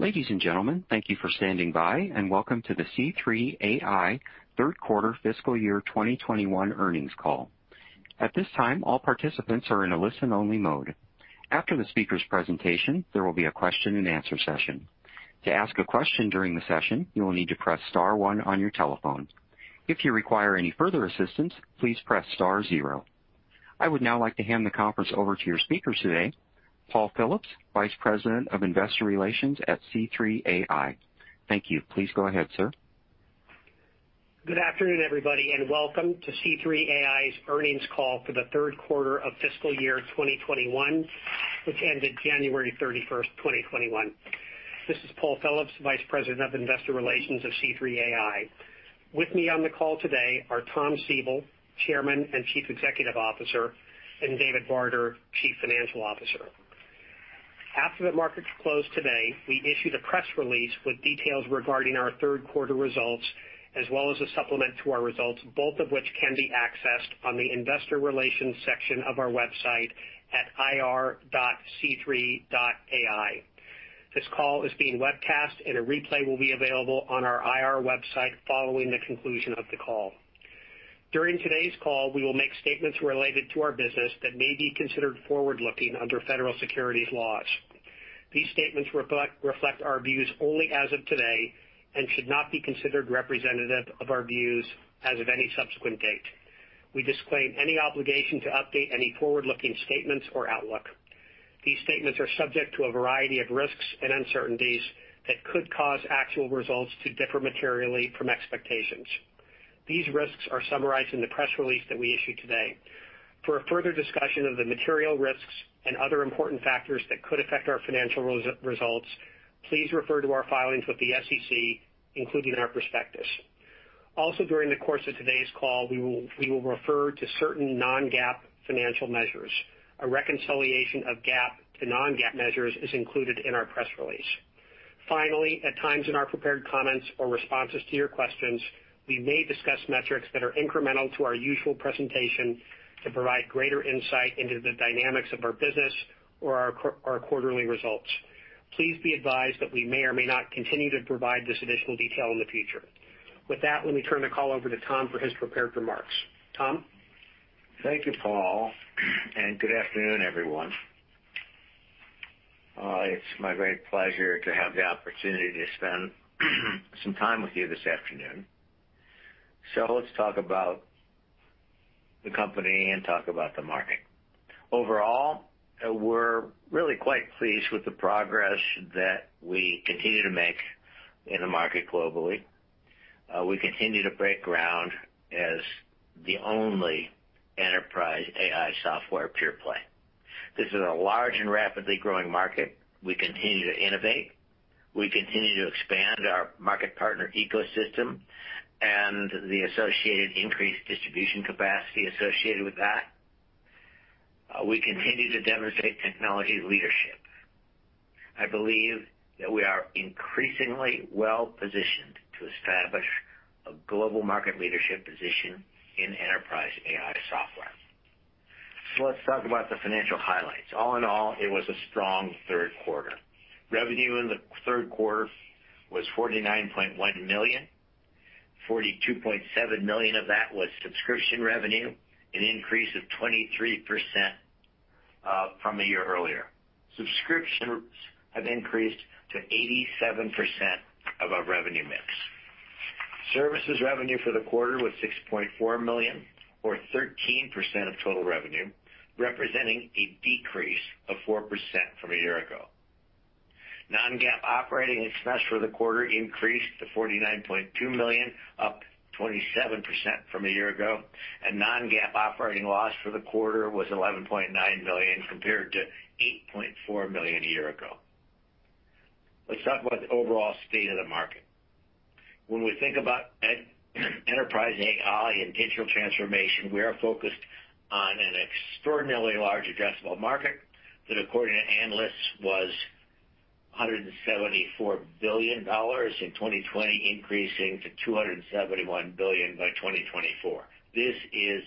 Ladies and gentlemen, thank you for standing by, and welcome to the C3.ai third quarter fiscal year 2021 earnings call. At this time, all participants are in a listen-only mode. After the speaker's presentation, there will be a question-and-answer session. To ask a question during the session, you will need to press star one on your telephone. If you require any further assistance, please press star zero. I would now like to hand the conference over to your speakers today, Paul Phillips, Vice President of Investor Relations at C3.ai. Thank you. Please go ahead, sir. Good afternoon, everybody, and welcome to C3.ai's earnings call for the third quarter of fiscal year 2021, which ended January 31st, 2021. This is Paul Phillips, Vice President of Investor Relations of C3.ai. With me on the call today are Thomas Siebel, Chairman and Chief Executive Officer, and David Barter, Chief Financial Officer. After the markets close today, we issued a press release with details regarding our third quarter results, as well as a supplement to our results, both of which can be accessed on the investor relations section of our website at ir.c3.ai. This call is being webcast, and a replay will be available on our IR website following the conclusion of the call. During today's call, we will make statements related to our business that may be considered forward-looking under federal securities laws. These statements reflect our views only as of today and should not be considered representative of our views as of any subsequent date. We disclaim any obligation to update any forward-looking statements or outlook. These statements are subject to a variety of risks and uncertainties that could cause actual results to differ materially from expectations. These risks are summarized in the press release that we issued today. For a further discussion of the material risks and other important factors that could affect our financial results, please refer to our filings with the SEC, including our prospectus. Also, during the course of today's call, we will refer to certain non-GAAP financial measures. A reconciliation of GAAP to non-GAAP measures is included in our press release. Finally, at times in our prepared comments or responses to your questions, we may discuss metrics that are incremental to our usual presentation to provide greater insight into the dynamics of our business or our quarterly results. Please be advised that we may or may not continue to provide this additional detail in the future. With that, let me turn the call over to Tom for his prepared remarks. Tom? Thank you, Paul. Good afternoon, everyone. It's my great pleasure to have the opportunity to spend some time with you this afternoon. Let's talk about the company and talk about the market. Overall, we're really quite pleased with the progress that we continue to make in the market globally. We continue to break ground as the only pure-play enterprise AI software. This is a large and rapidly growing market. We continue to innovate. We continue to expand our market partner ecosystem and the associated increased distribution capacity associated with that. We continue to demonstrate technology leadership. I believe that we are increasingly well-positioned to establish a global market leadership position in enterprise AI software. Let's talk about the financial highlights. All in all, it was a strong third quarter. Revenue in the third quarter was $49.1 million; $42.7 million of that was subscription revenue, an increase of 23% from a year earlier. Subscriptions have increased to 87% of our revenue mix. Services revenue for the quarter was $6.4 million, or 13% of total revenue, representing a decrease of 4% from a year ago. Non-GAAP operating expense for the quarter increased to $49.2 million, up 27% from a year ago, and non-GAAP operating loss for the quarter was $11.9 million compared to $8.4 million a year ago. Let's talk about the overall state of the market. When we think about enterprise AI and digital transformation, we are focused on an extraordinarily large addressable market that, according to analysts, was $174 billion in 2020, increasing to $271 billion by 2024. This is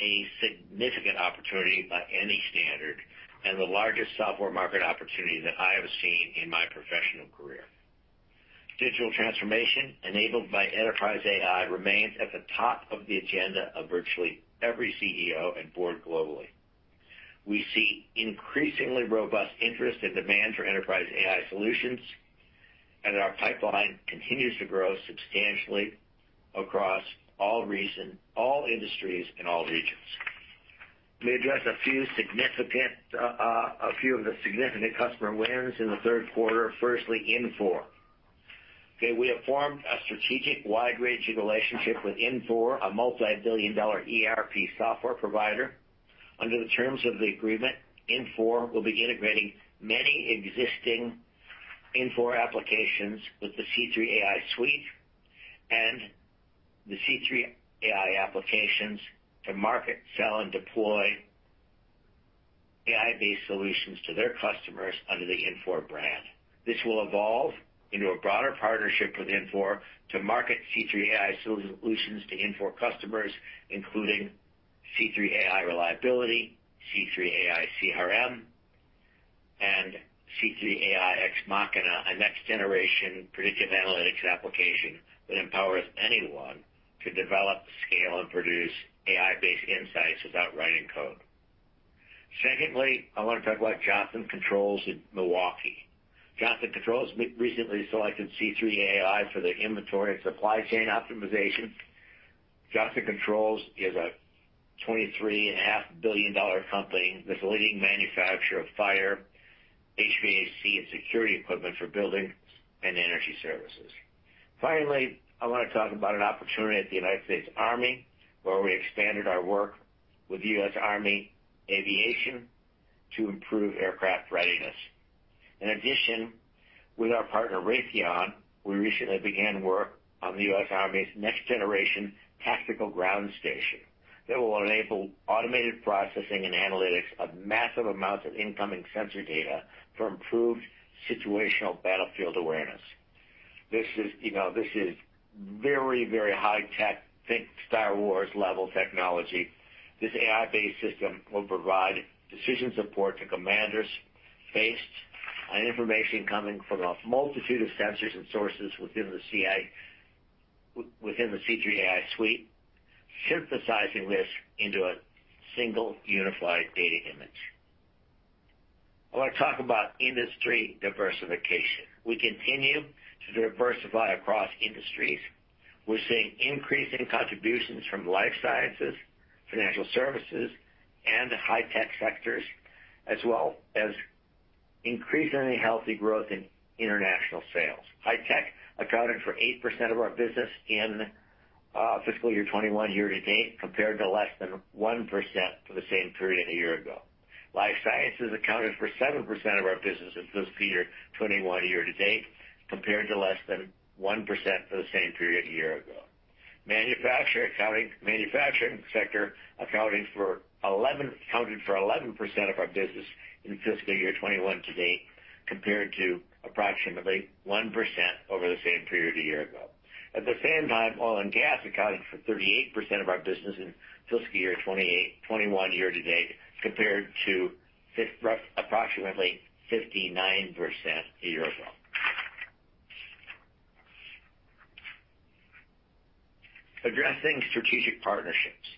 a significant opportunity by any standard and the largest software market opportunity that I have seen in my professional career. Digital transformation enabled by enterprise AI remains at the top of the agenda of virtually every CEO and board globally. We see increasingly robust interest and demand for enterprise AI solutions, and our pipeline continues to grow substantially across all industries and all regions. Let me address a few of the significant customer wins in the third quarter. Firstly, Infor. We have formed a strategic, wide-ranging relationship with Infor, a multi-billion-dollar ERP software provider. Under the terms of the agreement, Infor will be integrating many existing Infor applications with the C3.ai Suite and the C3.ai Applications to market, sell, and deploy AI-based solutions to their customers under the Infor brand. This will evolve into a broader partnership with Infor to market C3.ai solutions to Infor customers, including C3.ai Reliability, C3.ai CRM, and C3.ai Ex Machina, a next-generation predictive analytics application that empowers anyone to develop, scale, and produce AI-based insights without writing code. Secondly, I want to talk about Johnson Controls in Milwaukee. Johnson Controls recently selected C3.ai for their inventory and supply chain optimization. Johnson Controls is a $23.5 billion company that's a leading manufacturer of fire, HVAC, and security equipment for buildings and energy services. Finally, I want to talk about an opportunity at the U.S. Army, where we expanded our work with U.S. Army Aviation to improve aircraft readiness. In addition, with our partner Raytheon, we recently began work on the U.S. Army's next-generation tactical ground station that will enable automated processing and analytics of massive amounts of incoming sensor data for improved situational battlefield awareness. This is very high-tech; think "Star Wars"-level technology. This AI-based system will provide decision support to commanders based on information coming from a multitude of sensors and sources within the C3.ai Suite, synthesizing this into a single unified data image. I want to talk about industry diversification. We continue to diversify across industries. We're seeing increasing contributions from life sciences, financial services, and the high-tech sectors, as well as increasingly healthy growth in international sales. High tech accounted for 8% of our business in fiscal year 2021 year-to-date, compared to less than 1% for the same period a year ago. Life sciences accounted for 7% of our business in fiscal year 2021 year-to-date, compared to less than 1% for the same period a year ago. Manufacturing sector accounted for 11% of our business in fiscal year 2021 to date, compared to approximately 1% over the same period a year ago. At the same time, oil and gas accounted for 38% of our business in fiscal year 2021 year-to-date, compared to approximately 59% a year ago. Addressing strategic partnerships.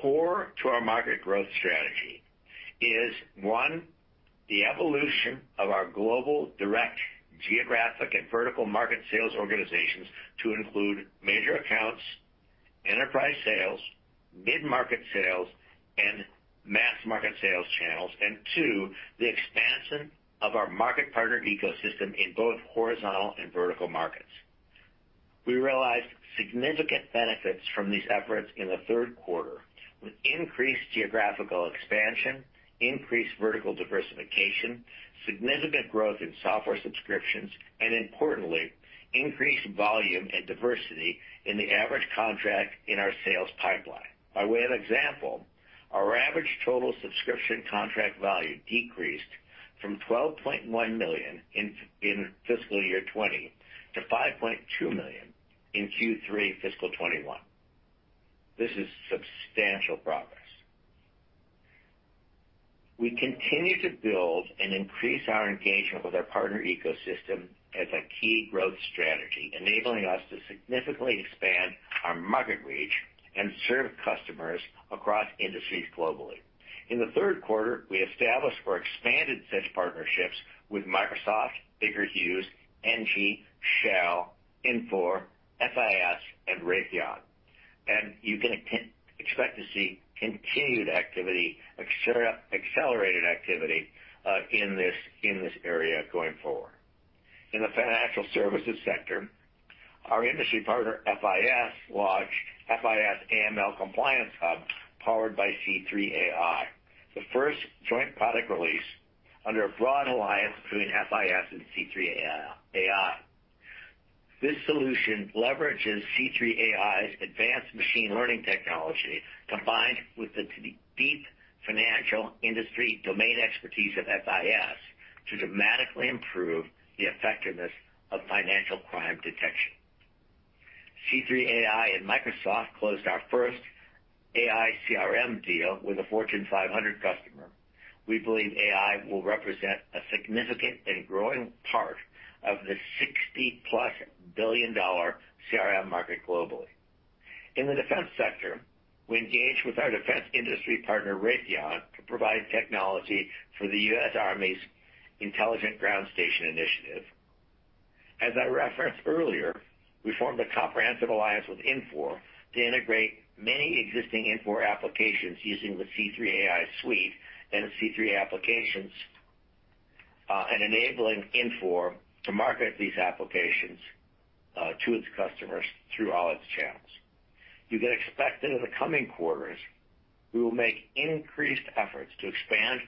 Core to our market growth strategy is, one, the evolution of our global, direct, geographic, and vertical market sales organizations to include major accounts, enterprise sales, mid-market sales, and mass market sales channels, and two, the expansion of our market partner ecosystem in both horizontal and vertical markets. We realized significant benefits from these efforts in the third quarter with increased geographical expansion, increased vertical diversification, significant growth in software subscriptions, and importantly, increased volume and diversity in the average contract in our sales pipeline. By way of example, our average total subscription contract value decreased from $12.1 million in FY 2020 to $5.2 million in Q3 FY 2021. This is substantial progress. We continue to build and increase our engagement with our partner ecosystem as a key growth strategy, enabling us to significantly expand our market reach and serve customers across industries globally. In the third quarter, we established or expanded such partnerships with Microsoft, Baker Hughes, ENGIE, Shell, Infor, FIS, and Raytheon. You can expect to see continued activity, accelerated activity, in this area going forward. In the financial services sector, our industry partner, FIS, launched FIS AML Compliance Hub, powered by C3.ai, the first joint product release under a broad alliance between FIS and C3.ai. This solution leverages C3.ai's advanced machine learning technology, combined with the deep financial industry domain expertise of FIS, to dramatically improve the effectiveness of financial crime detection. C3.ai and Microsoft closed our first AI CRM deal with a Fortune 500 customer. We believe AI will represent a significant and growing part of the $60+ billion CRM market globally. In the defense sector, we engaged with our defense industry partner, Raytheon, to provide technology for the U.S. Army Intelligence Ground Station initiative As I referenced earlier, we formed a comprehensive alliance with Infor to integrate many existing Infor applications using the C3.ai Suite and C3.ai Applications, enabling Infor to market these applications to its customers through all its channels. You can expect that in the coming quarters, we will make increased efforts to expand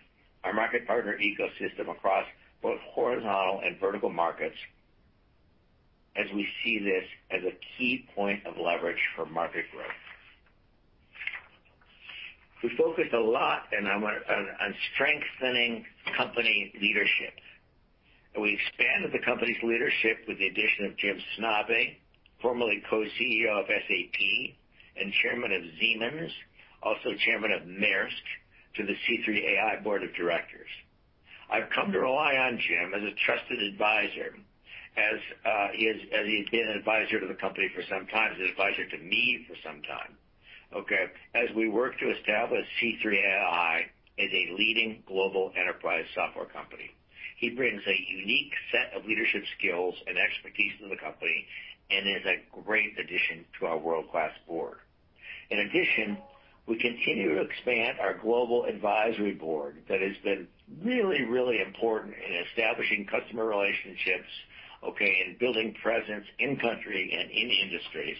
our market partner ecosystem across both horizontal and vertical markets, as we see this as a key point of leverage for market growth. We focused a lot on strengthening company leadership. We expanded the company's leadership with the addition of Jim Snabe, formerly Co-CEO of SAP and Chairman of Siemens, also Chairman of Maersk, to the C3.ai Board of Directors. I've come to rely on Jim as a trusted advisor, as he has been an advisor to the company for some time, and an advisor to me for some time, okay, as we work to establish C3.ai as a leading global enterprise software company. He brings a unique set of leadership skills and expertise to the company and is a great addition to our world-class board. In addition, we continue to expand our global advisory board that has been really, really important in establishing customer relationships, okay, in building presence in country and in industries.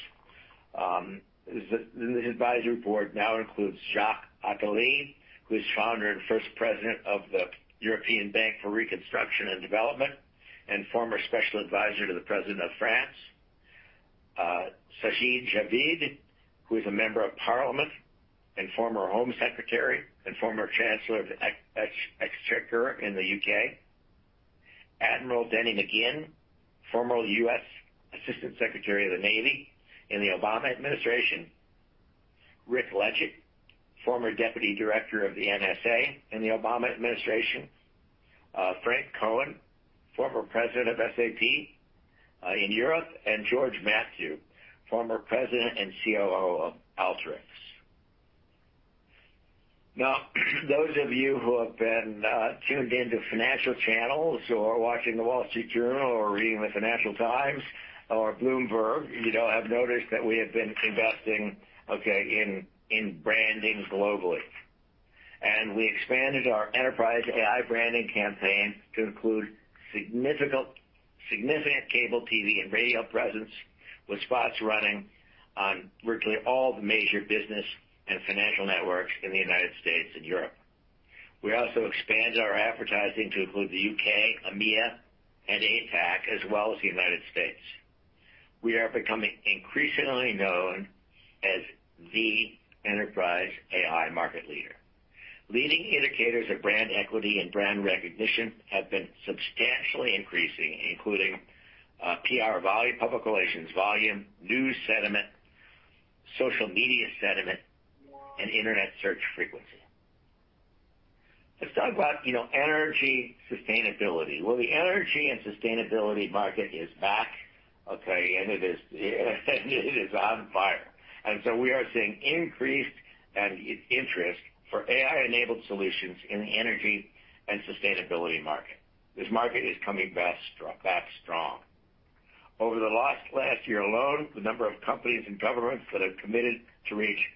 The advisory board now includes Jacques Attali, who is Founder and first President of the European Bank for Reconstruction and Development, and former Special Advisor to the President of France. Sajid Javid, who is a Member of Parliament and former Home Secretary and former Chancellor of the Exchequer in the U.K. Admiral Dennis McGinn, former U.S. Assistant Secretary of the Navy in the Obama administration. Rick Ledgett, former Deputy Director of the NSA in the Obama Administration. Frank Cohen, former President of SAP in Europe, and George Mathew, former President and COO of Alteryx. Those of you who have been tuned in to financial channels or are watching The Wall Street Journal or reading The Financial Times or Bloomberg, you'll have noticed that we have been investing, okay, in branding globally. We expanded our enterprise AI branding campaign to include a significant cable TV and radio presence with spots running on virtually all the major business and financial networks in the U.S. And Europe. We also expanded our advertising to include the U.K., EMEA, and APAC, as well as the U.S. We are becoming increasingly known as the enterprise AI market leader. Leading indicators of brand equity and brand recognition have been substantially increasing, including PR volume, public relations volume, news sentiment, social media sentiment, and internet search frequency. Let's talk about energy sustainability. Well, the energy and sustainability market is back, okay, and it is on fire. So we are seeing increased interest in AI-enabled solutions in the energy and sustainability market. This market is coming back strong. Over the last year alone, the number of companies and governments that have committed to reaching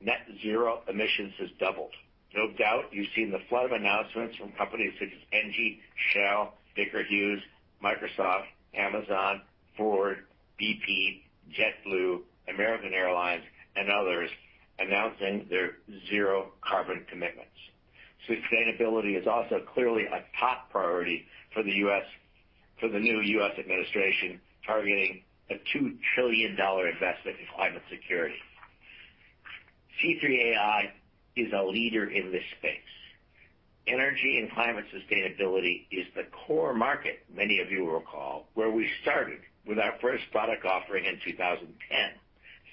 net zero emissions has doubled. No doubt you've seen the flood of announcements from companies such as ENGIE, Shell, Baker Hughes, Microsoft, Amazon, Ford, BP, JetBlue, American Airlines, and others announcing their zero carbon commitments. Sustainability is also clearly a top priority for the new U.S. administration, targeting a $2 trillion investment in climate security. C3.ai is a leader in this space. Energy and climate sustainability is the core market, many of you will recall, where we started with our first product offering in 2010,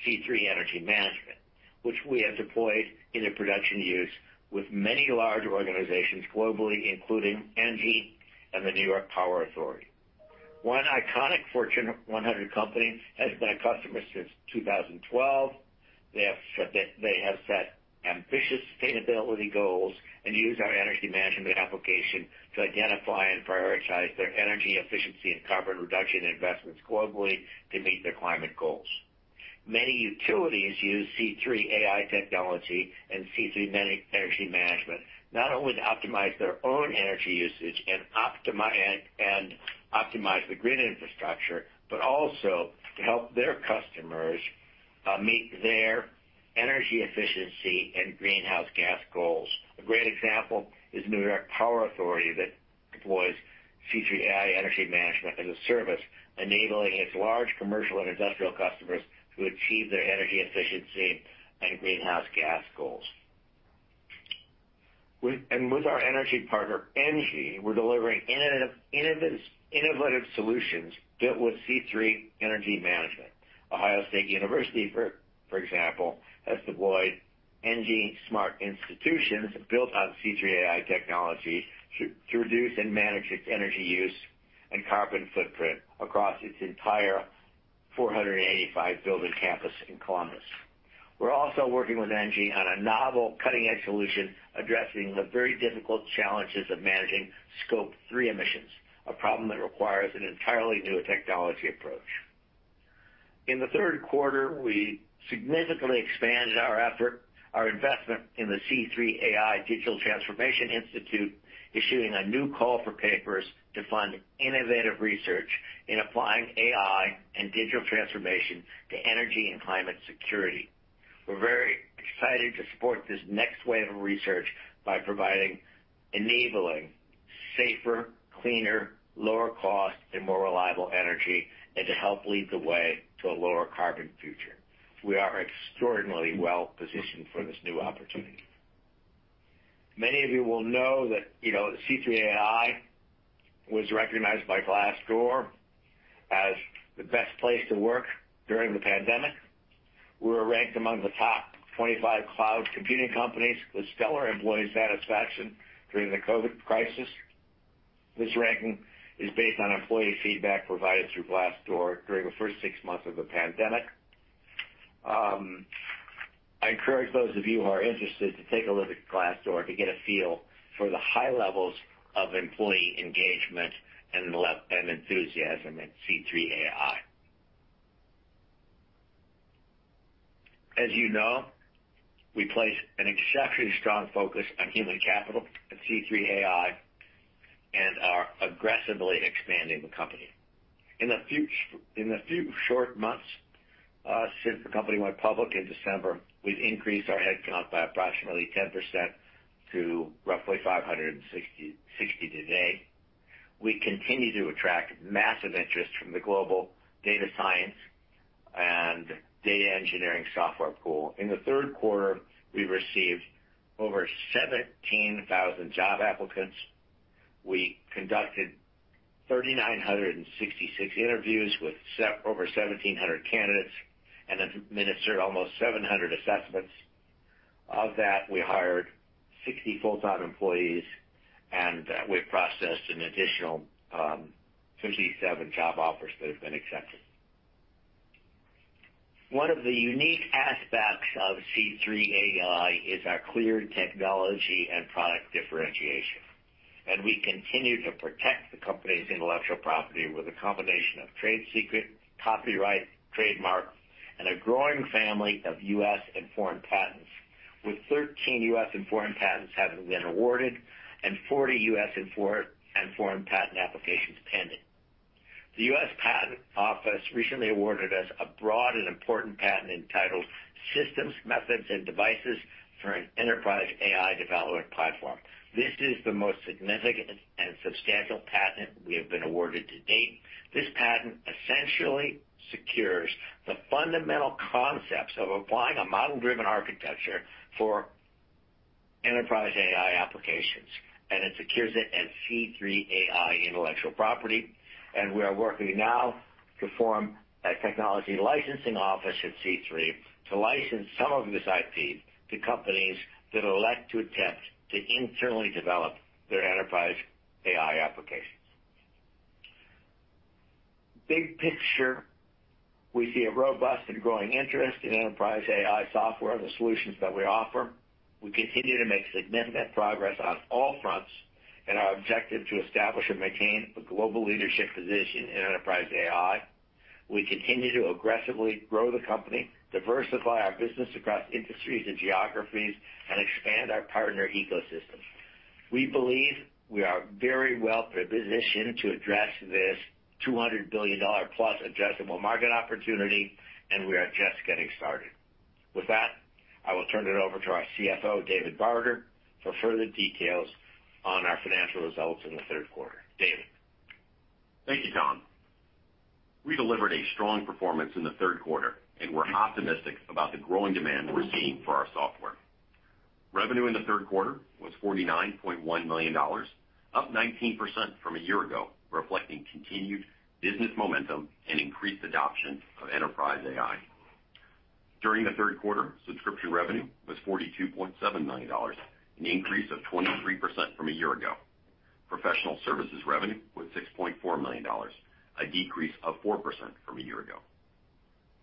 C3 Energy Management, which we have deployed into production use with many large organizations globally, including ENGIE and the New York Power Authority. One iconic Fortune 100 company has been a customer since 2012. They have set ambitious sustainability goals and use our energy management application to identify and prioritize their energy efficiency and carbon reduction investments globally to meet their climate goals. Many utilities use C3.ai technology and C3 Energy Management not only to optimize their own energy usage and optimize the grid infrastructure, but also to help their customers meet their energy efficiency and greenhouse gas goals. A great example is the New York Power Authority, which deploys C3.ai Energy Management as a service, enabling its large commercial and industrial customers to achieve their energy efficiency and greenhouse gas goals. With our energy partner, ENGIE, we're delivering innovative solutions built with C3 Energy Management. Ohio State University, for example, has deployed ENGIE Smart Institutions built on C3.ai technology to reduce and manage its energy use and carbon footprint across its entire 485-building campus in Columbus. We're also working with ENGIE on a novel, cutting-edge solution addressing the very difficult challenges of managing Scope 3 emissions, a problem that requires an entirely new technology approach. In the third quarter, we significantly expanded our investment in the C3.ai Digital Transformation Institute, issuing a new call for papers to fund innovative research in applying AI and digital transformation to energy and climate security. We're very excited to support this next wave of research by providing enabling safer, cleaner, lower cost, and more reliable energy, and to help lead the way to a lower carbon future. We are extraordinarily well-positioned for this new opportunity. Many of you will know that C3.ai was recognized by Glassdoor as the best place to work during the pandemic. We were ranked among the top 25 cloud computing companies with stellar employee satisfaction during the COVID crisis. This ranking is based on employee feedback provided through Glassdoor during the first six months of the pandemic. I encourage those of you who are interested to take a look at Glassdoor to get a feel for the high levels of employee engagement and enthusiasm at C3.ai. As you know, we place an exceptionally strong focus on human capital at C3.ai and are aggressively expanding the company. In the few short months since the company went public in December, we've increased our headcount by approximately 10% to roughly 560 today. We continue to attract massive interest from the global data science and data engineering software pool. In the third quarter, we received over 17,000 job applicants. We conducted 3,966 interviews with over 1,700 candidates and administered almost 700 assessments. Of that, we hired 60 full-time employees, and we processed an additional 57 job offers that have been accepted. One of the unique aspects of C3.ai is our clear technology and product differentiation. We continue to protect the company's intellectual property with a combination of trade secret, copyright, trademark, and a growing family of U.S. and foreign patents, with 13 U.S. and foreign patents having been awarded and 40 U.S. and foreign patent applications pending. The U.S. Patent Office recently awarded us a broad and important patent entitled "Systems, Methods and Devices for an Enterprise AI Development Platform." This is the most significant and substantial patent we have been awarded to date. This patent essentially secures the fundamental concepts of applying a model-driven architecture for enterprise AI applications, and it secures it as C3.ai intellectual property. We are working now to form a technology licensing office at C3.ai to license some of this IP to companies that elect to attempt to internally develop their enterprise AI applications. Big picture, we see a robust and growing interest in enterprise AI software, the solutions that we offer. We continue to make significant progress on all fronts and our objective to establish and maintain a global leadership position in enterprise AI. We continue to aggressively grow the company, diversify our business across industries and geographies, and expand our partner ecosystem. We believe we are very well positioned to address this $200 billion+ addressable market opportunity, and we are just getting started. With that, I will turn it over to our CFO, David Barter, for further details on our financial results in the third quarter. David? Thank you, Tom. We delivered a strong performance in the third quarter, and we're optimistic about the growing demand we're seeing for our software. Revenue in the third quarter was $49.1 million, up 19% from a year ago, reflecting continued business momentum and increased adoption of enterprise AI. During the third quarter, subscription revenue was $42.7 million, an increase of 23% from a year ago. Professional services revenue was $6.4 million, a decrease of 4% from a year ago.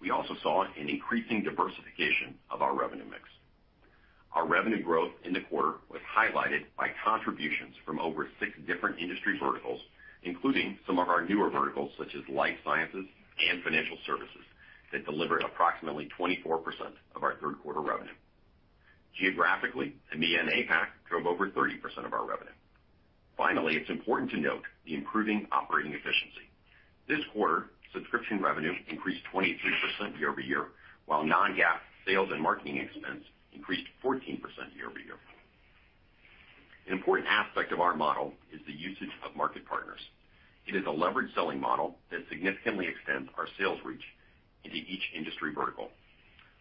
We also saw an increasing diversification of our revenue mix. Our revenue growth in the quarter was highlighted by contributions from over six different industry verticals, including some of our newer verticals such as life sciences and financial services, that delivered approximately 24% of our third quarter revenue. Geographically, EMEA and APAC drove over 30% of our revenue. Finally, it's important to note the improving operating efficiency. This quarter, subscription revenue increased 23% year-over-year, while non-GAAP sales and marketing expense increased 14% year-over-year. An important aspect of our model is the usage of market partners. It is a leveraged selling model that significantly extends our sales reach into each industry vertical.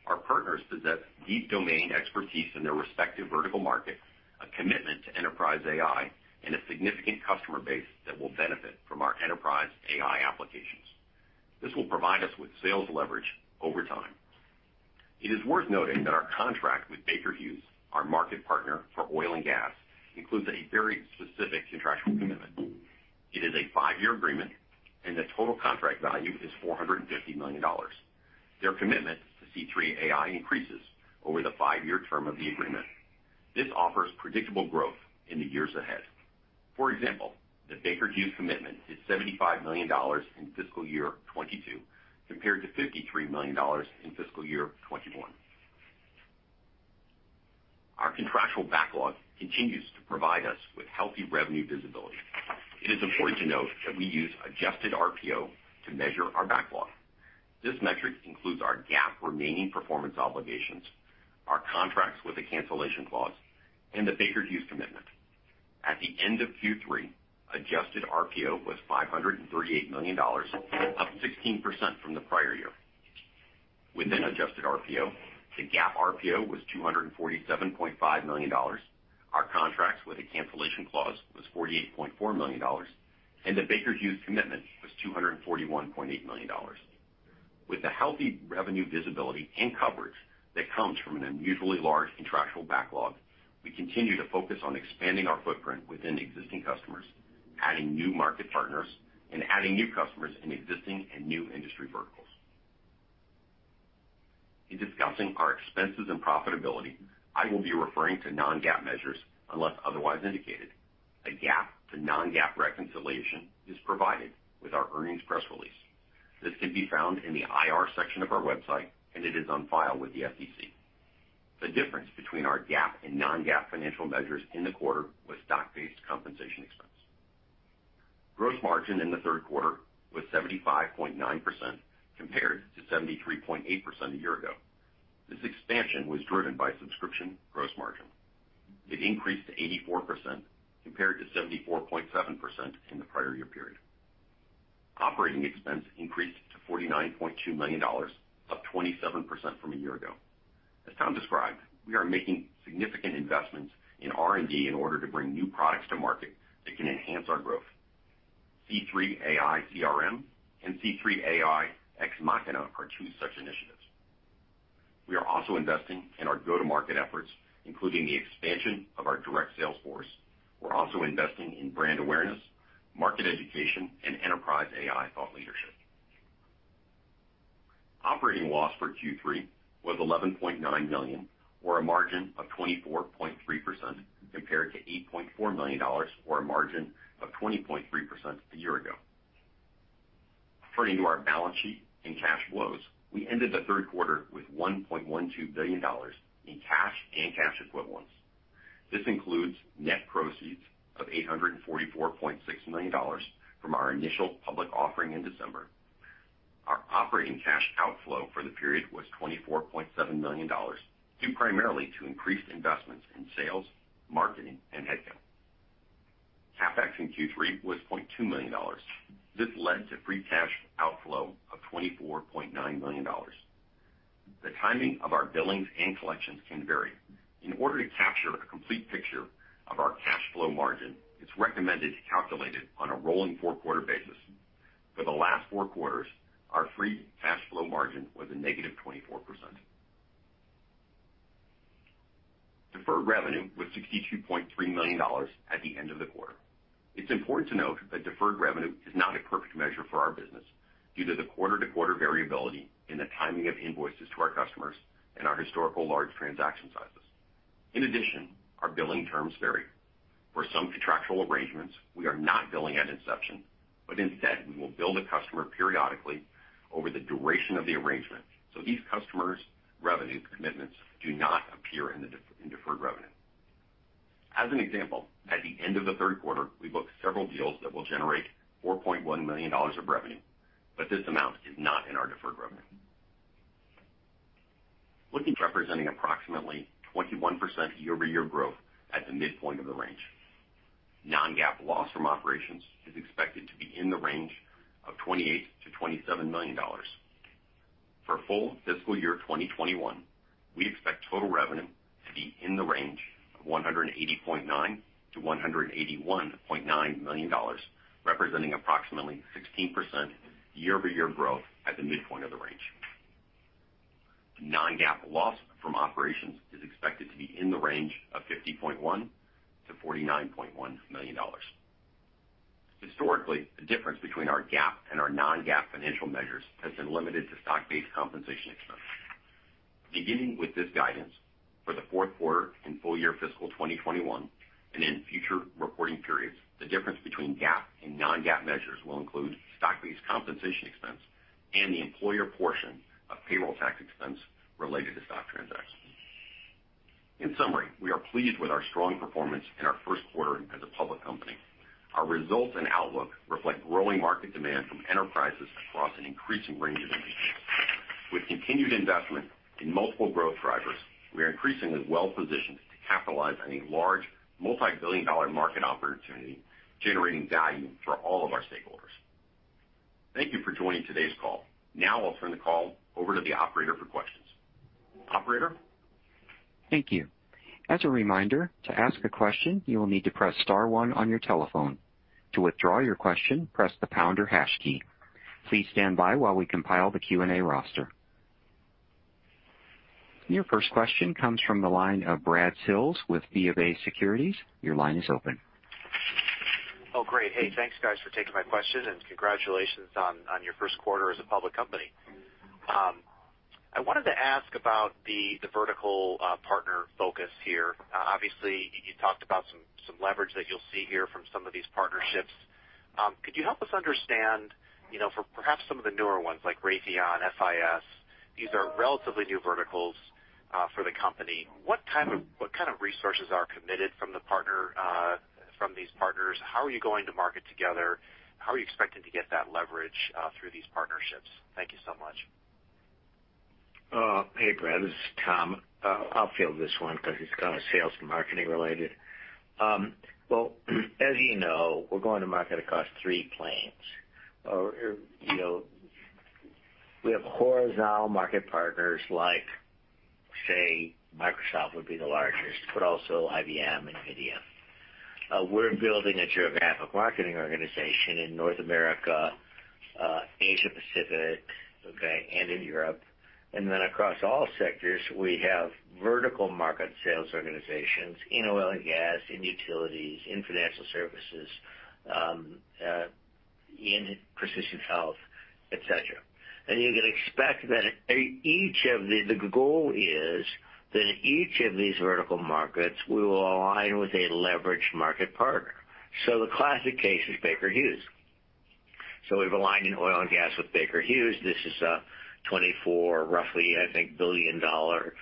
Our partners possess deep domain expertise in their respective vertical markets, a commitment to enterprise AI, and a significant customer base that will benefit from our enterprise AI applications. This will provide us with sales leverage over time. It is worth noting that our contract with Baker Hughes, our market partner for oil and gas, includes a very specific contractual commitment. It is a five-year agreement. The total contract value is $450 million. Their commitment to C3.ai increases over the five-year term of the agreement. This offers predictable growth in the years ahead. For example, the Baker Hughes commitment is $75 million in fiscal year 2022, compared to $53 million in fiscal year 2021. Our contractual backlog continues to provide us with healthy revenue visibility. It is important to note that we use adjusted RPO to measure our backlog. This metric includes our GAAP remaining performance obligations, our contracts with the cancellation clause, and the Baker Hughes commitment. At the end of Q3, adjusted RPO was $538 million, up 16% from the prior year. Within adjusted RPO, the GAAP RPO was $247.5 million. Our contracts with a cancellation clause was $48.4 million, and the Baker Hughes commitment was $241.8 million. With the healthy revenue visibility and coverage that comes from an unusually large contractual backlog, we continue to focus on expanding our footprint within existing customers, adding new market partners, and adding new customers in existing and new industry verticals. In discussing our expenses and profitability, I will be referring to non-GAAP measures unless otherwise indicated. A GAAP to non-GAAP reconciliation is provided with our earnings press release. This can be found in the IR section of our website, and it is on file with the SEC. The difference between our GAAP and non-GAAP financial measures in the quarter was stock-based compensation expense. Gross margin in the third quarter was 75.9%, compared to 73.8% a year ago. This expansion was driven by subscription gross margin. It increased to 84%, compared to 74.7% in the prior year period. Operating expense increased to $49.2 million, up 27% from a year ago. As Tom described, we are making significant investments in R&D in order to bring new products to market that can enhance our growth. C3.ai CRM and C3.ai Ex Machina are two such initiatives. We are also investing in our go-to-market efforts, including the expansion of our direct sales force. We're also investing in brand awareness, market education, and enterprise AI thought leadership. Operating loss for Q3 was $11.9 million, or a margin of 24.3%, compared to $8.4 million, or a margin of 20.3% a year ago. Turning to our balance sheet and cash flows, we ended the third quarter with $1.12 billion in cash and cash equivalents. This includes net proceeds of $844.6 million from our initial public offering in December. Our operating cash outflow for the period was $24.7 million, due primarily to increased investments in sales, marketing, and headcount. CapEx in Q3 was $0.2 million. This led to free cash outflow of $24.9 million. The timing of our billings and collections can vary. In order to capture a complete picture of our cash flow margin, it's recommended to calculate it on a rolling four-quarter basis. For the last four quarters, our free cash flow margin was a -24%. Deferred revenue was $62.3 million at the end of the quarter. It's important to note that deferred revenue is not a perfect measure for our business due to the quarter-to-quarter variability in the timing of invoices to our customers and our historical large transaction sizes. In addition, our billing terms vary. For some contractual arrangements, we are not billing at inception, but instead, we will bill the customer periodically over the duration of the arrangement, so these customers' revenue commitments do not appear in deferred revenue. As an example, at the end of the third quarter, we booked several deals that will generate $4.1 million of revenue, but this amount is not in our deferred revenue. Looking at representing approximately 21% year-over-year growth at the midpoint of the range. non-GAAP loss from operations is expected to be in the range of $28 million-$27 million. For full fiscal year 2021, we expect total revenue to be in the range of $180.9 million-$181.9 million, representing approximately 16% year-over-year growth at the midpoint of the range. non-GAAP loss from operations is expected to be in the range of $50.1 million-$49.1 million. Historically, the difference between our GAAP and our non-GAAP financial measures has been limited to stock-based compensation expense. Beginning with this guidance, for the fourth quarter and full year fiscal 2021, and in future reporting periods, the difference between GAAP and non-GAAP measures will include stock-based compensation expense and the employer portion of payroll tax expense related to stock transactions. In summary, we are pleased with our strong performance in our first quarter as a public company. Our results and outlook reflect growing market demand from enterprises across an increasing range of industries. With continued investment in multiple growth drivers, we are increasingly well-positioned to capitalize on a large, multi-billion dollar market opportunity, generating value for all of our stakeholders. Thank you for joining today's call. Now I'll turn the call over to the operator for questions. Operator? Your first question comes from the line of Brad Sills with BofA Securities. Your line is open. Great. Thanks, guys, for taking my question, and congratulations on your first quarter as a public company. I wanted to ask about the vertical partner focus here. Obviously, you talked about some leverage that you'll see here from some of these partnerships. Could you help us understand, perhaps for some of the newer ones like Raytheon and FIS, these are relatively new verticals for the company? What kind of resources are committed from these partners? How are you going to market together? How are you expecting to get that leverage through these partnerships? Thank you so much. Hey, Brad, this is Tom. I'll field this one because it's kind of sales and marketing related. Well, as you know, we're going to market across three planes. We have horizontal market partners like, say, Microsoft, who would be the largest, but also IBM and NVIDIA. We're building a geographic marketing organization in North America, Asia-Pacific, and Europe. Across all sectors, we have vertical market sales organizations in oil and gas, in utilities, in financial services, in precision health, et cetera. You can expect that the goal is that each of these vertical markets will align with a leveraged market partner. The classic case is Baker Hughes. We've aligned in oil and gas with Baker Hughes. This is a 24, roughly, I think, billion-dollar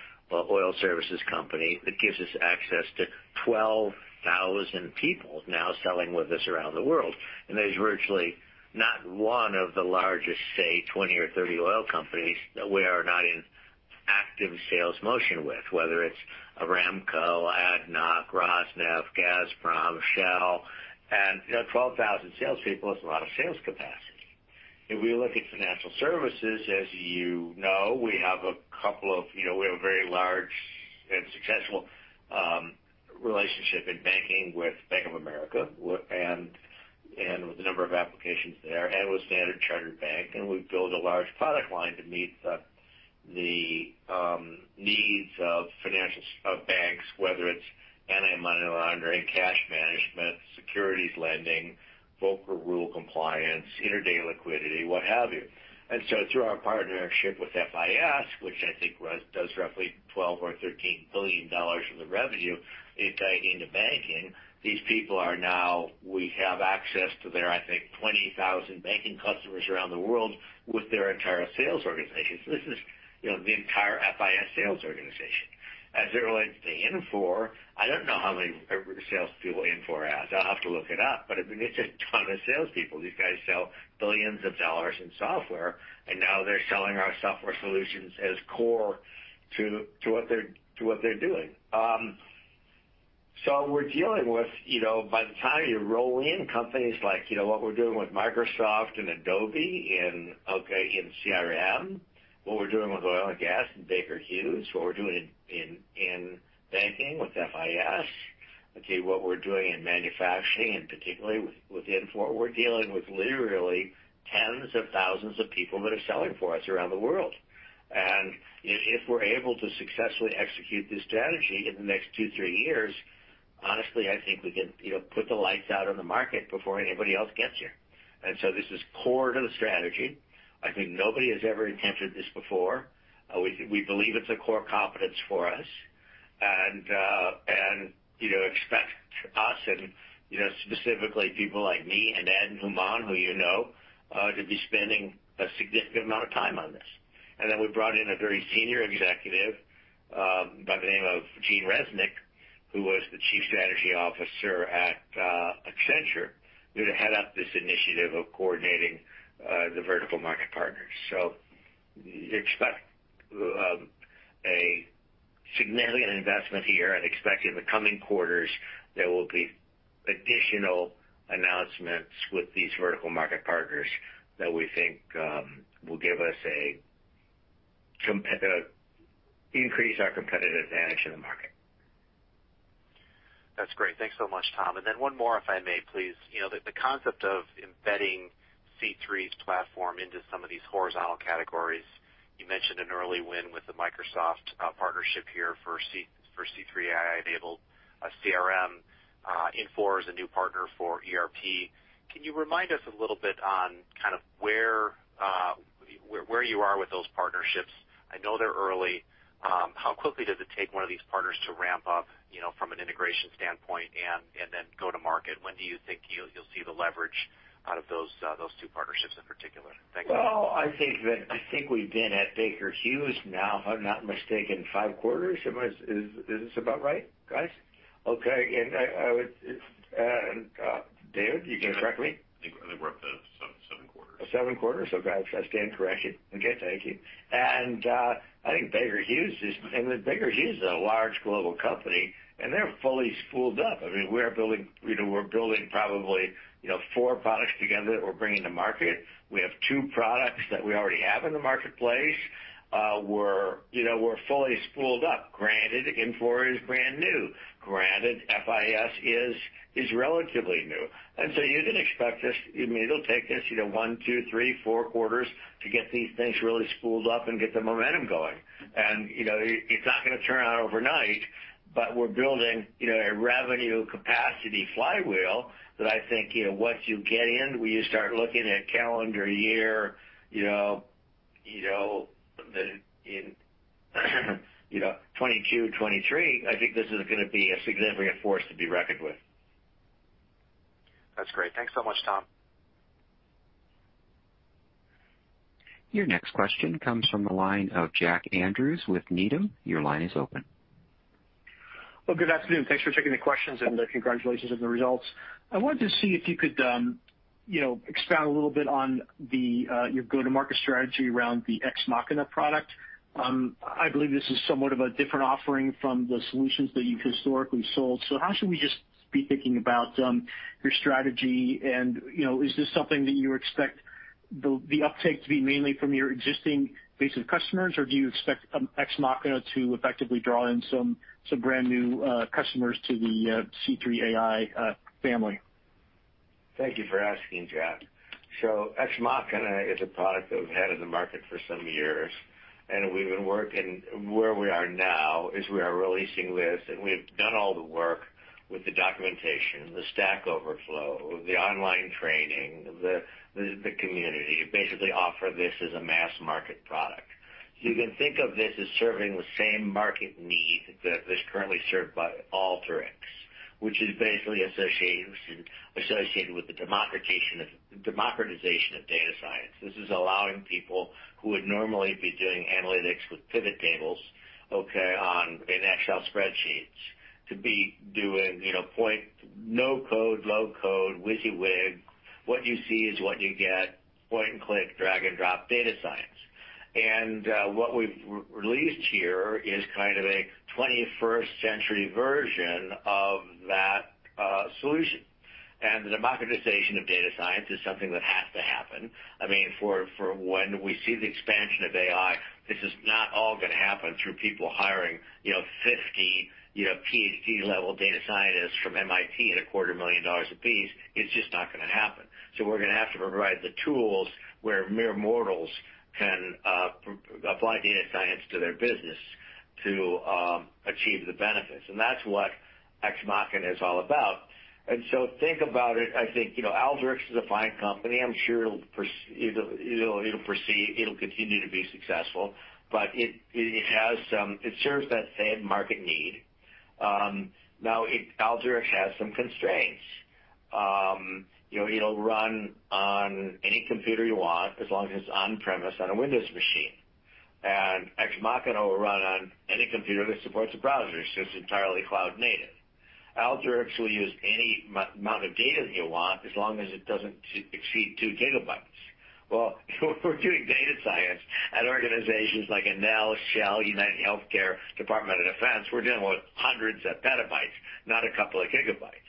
oil services company that gives us access to 12,000 people now selling with us around the world. There's virtually not one of the largest, say, 20 or 30 oil companies that we are not in active sales motion with, whether it's Aramco, ADNOC, Rosneft, Gazprom, or Shell. 12,000 salespeople is a lot of sales capacity. If we look at financial services, as you know, we have a very large and successful relationship in banking with Bank of America and with a number of applications there, and with Standard Chartered Bank. We've built a large product line to meet the needs of banks, whether it's anti-money laundering, cash management, securities lending, Volcker Rule compliance, intraday liquidity, or what have you. Through our partnership with FIS, which I think does roughly $12 billion or $13 billion of the revenue into banking, we have access to their, I think, 20,000 banking customers around the world with their entire sales organization. This is the entire FIS sales organization. As it relates to Infor, I don't know how many salespeople Infor has. I'll have to look it up. It's a ton of salespeople. These guys sell billions of dollars in software, and now they're selling our software solutions as core to what they're doing. We're dealing with, by the time you roll in companies like what we're doing with Microsoft and Adobe in CRM, what we're doing with oil and gas and Baker Hughes, what we're doing in banking with FIS, okay, what we're doing in manufacturing, and particularly with Infor, we're dealing with literally tens of thousands of people that are selling for us around the world. If we're able to successfully execute this strategy in the next two or three years, honestly, I think we can put the lights out on the market before anybody else gets here. This is core to the strategy. I think nobody has ever attempted this before. We believe it's a core competence for us and expect us, and specifically people like me and Ed and Houman, who you know, to be spending a significant amount of time on this. We brought in a very senior executive by the name of Gene Reznik, who was the chief strategy officer at Accenture, to head up this initiative of coordinating the vertical market partners. Expect a significant investment here, and expect in the coming quarters there will be additional announcements with these vertical market partners that we think will increase our competitive advantage in the market. That's great. Thanks so much, Tom. One more, if I may, please. The concept of embedding C3's platform into some of these horizontal categories. You mentioned an early win with the Microsoft partnership here for C3.ai CRM. Infor is a new partner for ERP. Can you remind us a little bit on where you are with those partnerships? I know they're early. How quickly does it take one of these partners to ramp up from an integration standpoint and then go to market? When do you think you'll see the leverage out of those two partnerships in particular? Thank you. Well, I think we've been at Baker Hughes now, if I'm not mistaken, five quarters. Is this about right, guys? Okay. David, you can correct me. I think we're up to seven quarters. Seven quarters. Okay. I stand corrected. Okay. Thank you. I think Baker Hughes is a large global company, and they're fully spooled up. We're building probably four products together that we're bringing to market. We have two products that we already have in the marketplace. We're fully spooled up. Granted, Infor is brand new. Granted, FIS is relatively new. You can expect this. It'll take us one, two, three, or four quarters to get these things really spooled up and get the momentum going. It's not going to turn on overnight, but we're building a revenue capacity flywheel that I think once you get in, when you start looking at calendar year 2022, 2023, I think this is going to be a significant force to be reckoned with. That's great. Thanks so much, Tom. Your next question comes from the line of Jack Andrews with Needham. Your line is open. Well, good afternoon. Thanks for taking the questions, and congratulations on the results. I wanted to see if you could expound a little bit on your go-to-market strategy around the Ex Machina product. I believe this is somewhat of a different offering from the solutions that you've historically sold. How should we just be thinking about your strategy? Is this something that you expect the uptake to be mainly from your existing base of customers, or do you expect Ex Machina to effectively draw in some brand new customers to the C3.ai Family? Thank you for asking, Jack. Ex Machina is a product that we've had in the market for some years, and where we are now is we are releasing this, and we've done all the work with the documentation, Stack Overflow, the online training, and the community; basically, we offer this as a mass-market product. You can think of this as serving the same market need that is currently served by Alteryx, which is basically associated with the democratization of data science. This is allowing people who would normally be doing analytics with pivot tables, okay, in Excel spreadsheets, to be doing point, no code, low code, WYSIWYG, what you see is what you get, point and click, drag and drop data science. What we've released here is kind of a 21st-century version of that solution. The democratization of data science is something that has to happen. For when we see the expansion of AI, this is not all going to happen through people hiring 50 PhD-level data scientists from MIT at a quarter million dollars a piece. It's just not going to happen. We're going to have to provide the tools where mere mortals can apply data science to their business to achieve the benefits. That's what C3.ai Ex Machina is all about. Think about it. I think Alteryx is a fine company. I'm sure it'll continue to be successful, but it serves that same market need. Alteryx has some constraints. It'll run on any computer you want, as long as it's on-premise on a Windows machine. C3.ai Ex Machina will run on any computer that supports a browser. It's just entirely cloud native. Alteryx will use any amount of data that you want, as long as it doesn't exceed 2 gigabytes. Well, if we're doing data science at organizations like Enel, Shell, UnitedHealthcare, or the Department of Defense, we're dealing with hundreds of petabytes, not a couple of gigabytes.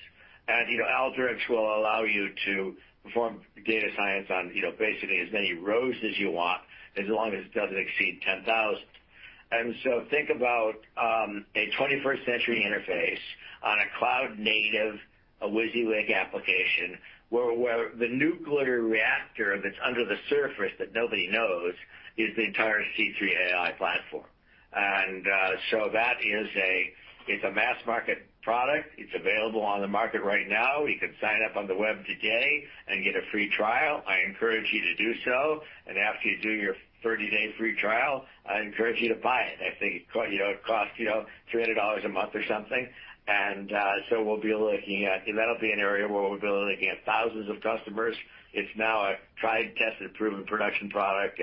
Alteryx will allow you to perform data science on basically as many rows as you want, as long as it doesn't exceed 10,000. Think about a 21st-century interface on a cloud native, a WYSIWYG application, where the nuclear reactor that's under the surface that nobody knows is the entire C3.ai Platform. That is a mass-market product. It's available on the market right now. You can sign up on the web today and get a free trial. I encourage you to do so. After you do your 30-day free trial, I encourage you to buy it. I think it costs $300 a month or something. That'll be an area where we'll be looking at thousands of customers. It's now a tried, tested, and proven production product.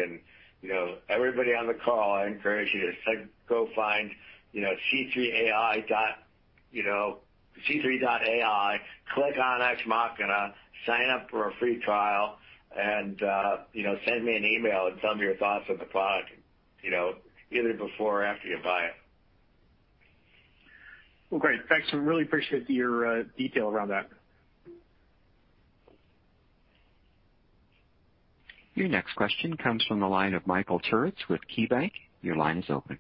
Everybody on the call, I encourage you to go find C3.ai, click on Ex Machina, sign up for a free trial, and send me an email and tell me your thoughts on the product, either before or after you buy it. Well, great. Thanks. I really appreciate your detail around that. Your next question comes from the line of Michael Turits with KeyBanc. Your line is open.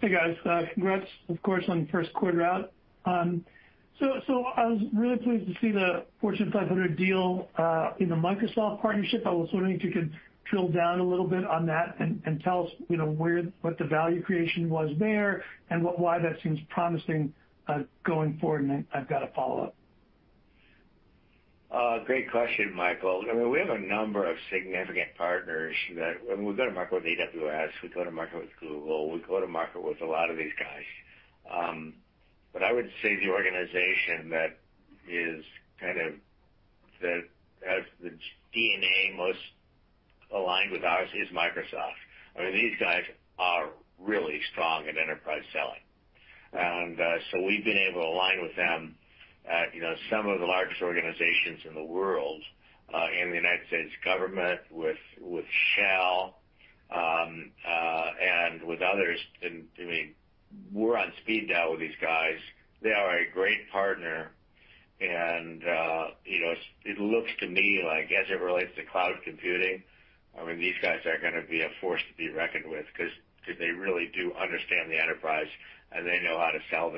Hey, guys. Congrats, of course, on the first quarter out. I was really pleased to see the Fortune 500 deal in the Microsoft partnership. I was wondering if you could drill down a little bit on that and tell us what the value creation was there and why that seems promising going forward. I've got a follow-up. Great question, Michael. We have a number of significant partners that when we go to market with AWS, we go to market with Google, and we go to market with a lot of these guys. I would say the organization that has the DNA most aligned with ours is Microsoft. These guys are really strong at enterprise selling. We've been able to align with them at some of the largest organizations in the world, in the U.S. government, with Shell, and with others. We're on speed dial with these guys. They are a great partner. It looks to me like, as it relates to cloud computing, these guys are going to be a force to be reckoned with because they really do understand the enterprise, and they know how to sell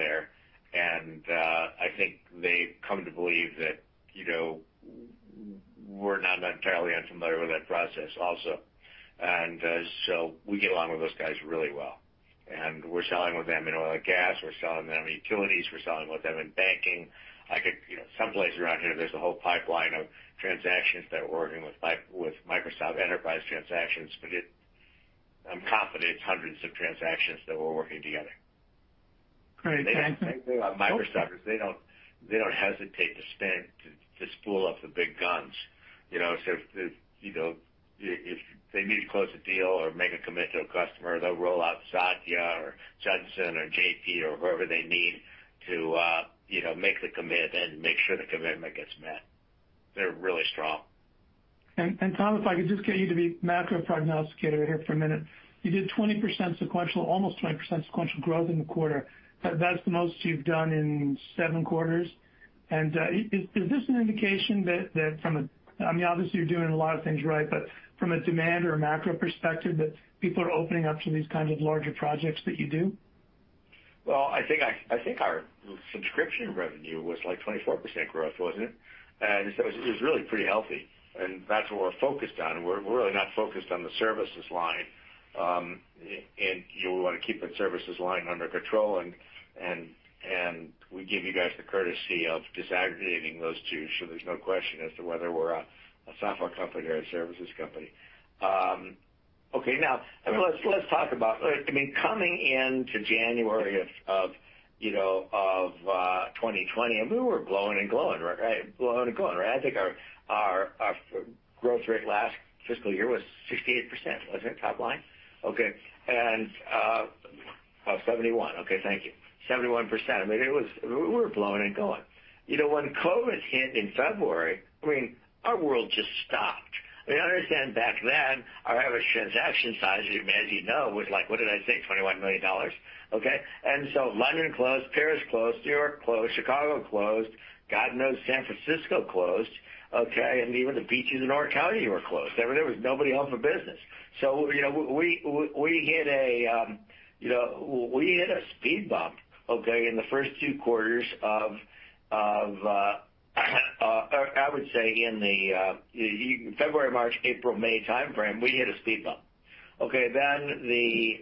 there. I think they've come to believe that we're not entirely unfamiliar with that process also. We get along with those guys really well, and we're selling with them in oil and gas. We're selling with them in utilities. We're selling with them in banking. Someplace around here, there's a whole pipeline of transactions that we're working with Microsoft Enterprise transactions, but I'm confident it's hundreds of transactions that we're working on together. Great. Thanks. Microsoft, they don't hesitate to spool up the big guns. If they need to close a deal or make a commitment to a customer, they'll roll out Satya or Judson or JP or whoever they need to make the commitment and make sure the commitment gets met. They're really strong. Tom, if I could just get you to be a macro prognosticator here for a minute. You did almost 20% sequential growth in the quarter. That's the most you've done in seven quarters. Is this an indication that, obviously, you're doing a lot of things right, but from a demand or macro perspective, people are opening up to these kinds of larger projects that you do? Well, I think our subscription revenue was like 24% growth, wasn't it? It was really pretty healthy. That's what we're focused on. We're really not focused on the services line. We want to keep the services line under control. We give you guys the courtesy of disaggregating those two so there's no question as to whether we're a software company or a services company. Okay, now, let's talk about coming into January of 2020, and we were blowing and glowing, right? I think our growth rate last fiscal year was 68%, wasn't it, top line? Okay. Oh, 71. Okay, thank you. 71%. I mean, we were blowing and going. When COVID hit in February, our world just stopped. Understand, back then, our average transaction size, as you know, was like, what did I say? $21 million. Okay? London closed, Paris closed, N.Y. Closed, and Chicago closed. God knows San Francisco closed, okay? Even the beaches in Orange County were closed. I mean, there was nobody home for business. We hit a speed bump, okay? In the first two quarters, I would say in the February, March, April, May timeframe, we hit a speed bump. Okay.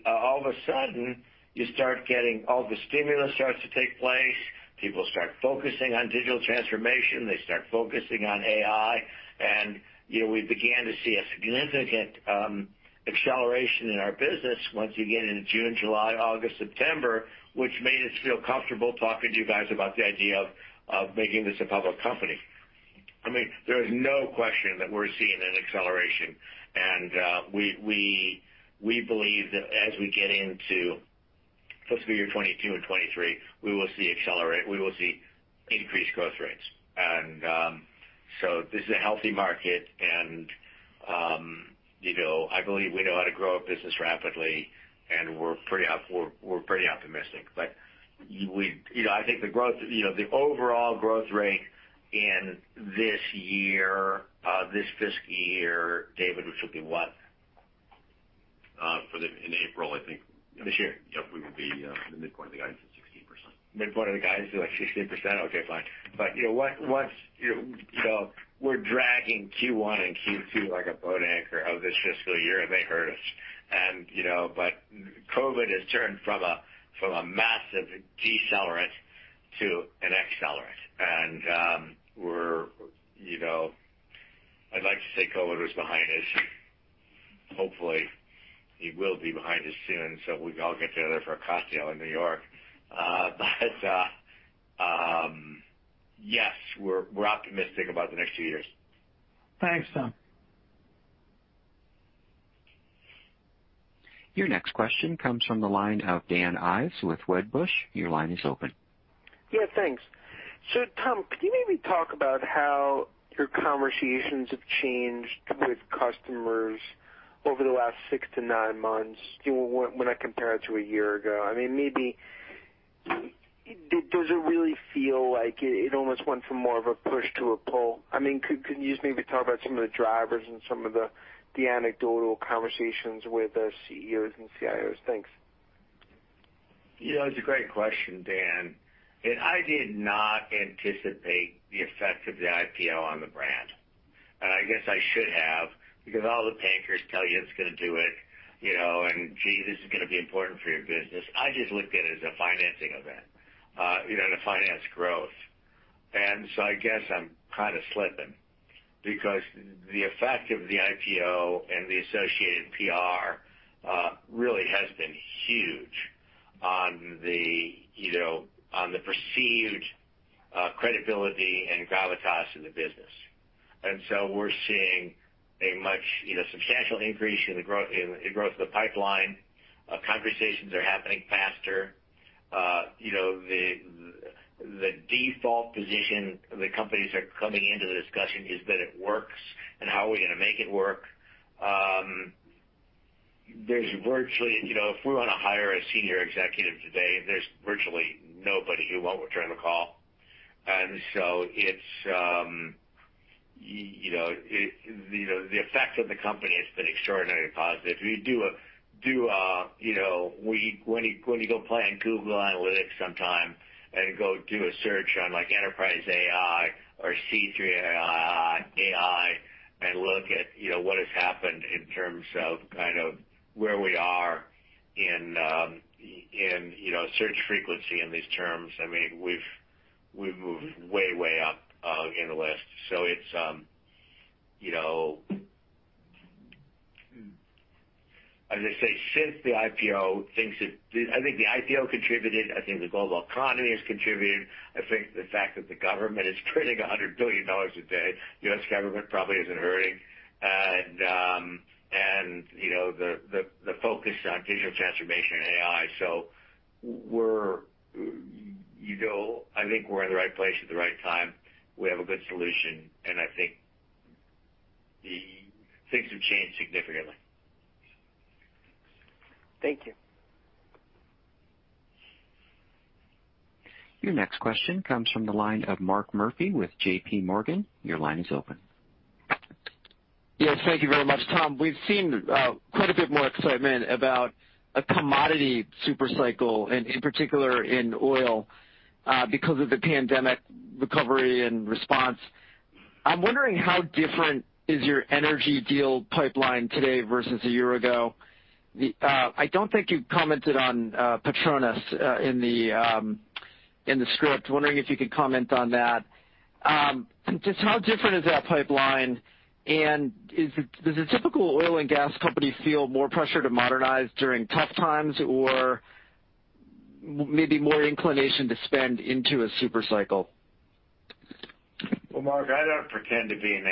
All of a sudden, you start getting all the stimulus to take place. People start focusing on digital transformation. They start focusing on AI. We began to see a significant acceleration in our business once again in June, July, August, and September, which made us feel comfortable talking to you guys about the idea of making this a public company. There is no question that we're seeing an acceleration. We believe that as we get into fiscal years 2022 and 2023, we will see increased growth rates. This is a healthy market, and I believe we know how to grow a business rapidly, and we're pretty optimistic. I think the overall growth rate in this fiscal year, David, will be what? In April, This year. Yep, we will be in the midpoint of the guidance of 16%. Midpoint of the guidance is like 16%? Okay, fine. We're dragging Q1 and Q2 like a boat anchor in this fiscal year, and they hurt us. COVID has turned from a massive decelerant to an accelerant. I'd like to say COVID was behind us. Hopefully, it will be behind us soon, so we can all get together for a cocktail in N.Y. Yes, we're optimistic about the next few years. Thanks, Tom. Your next question comes from the line of Dan Ives with Wedbush. Your line is open. Thanks. Tom, could you maybe talk about how your conversations have changed with customers over the last six-nine months when I compare it to a year ago? Maybe, does it really feel like it almost went from more of a push to a pull? Could you just maybe talk about some of the drivers and some of the anecdotal conversations with the CEOs and CIOs? Thanks. It's a great question, Dan. I did not anticipate the effect of the IPO on the brand. I guess I should have because all the bankers tell you it's going to do it, "Gee, this is going to be important for your business." I just looked at it as a financing event to finance growth. I guess I'm kind of slipping because the effect of the IPO and the associated PR really has been huge on the perceived credibility and gravitas of the business. We're seeing a much more substantial increase in the growth of the pipeline. Conversations are happening faster. The default position the companies are coming into the discussion is that it works and how are we going to make it work? If we want to hire a senior executive today, there's virtually nobody who won't return the call. The effect of the company has been extraordinarily positive. When you go to play in Google Analytics sometime and do a search on enterprise AI or C3.ai and look at what has happened in terms of where we are in search frequency in these terms, we've moved way up in the list. It's as I say, since the IPO, I think the IPO contributed. I think the global economy has contributed. I think the fact that the government is printing $100 billion a day probably isn't hurting. The focus on digital transformation and AI. I think we're in the right place at the right time. We have a good solution, and I think things have changed significantly. Thank you. Your next question comes from the line of Mark Murphy with JPMorgan. Your line is open. Yes. Thank you very much, Tom. We've seen quite a bit more excitement about a commodity supercycle, and in particular in oil, because of the pandemic recovery and response. I'm wondering how different is your energy deal pipeline is today versus a year ago? I don't think you commented on Petronas in the script. Wondering if you could comment on that. Just how different is that pipeline, and does a typical oil and gas company feel more pressure to modernize during tough times or maybe more inclined to spend into a super cycle? Well, Mark, I don't pretend to be an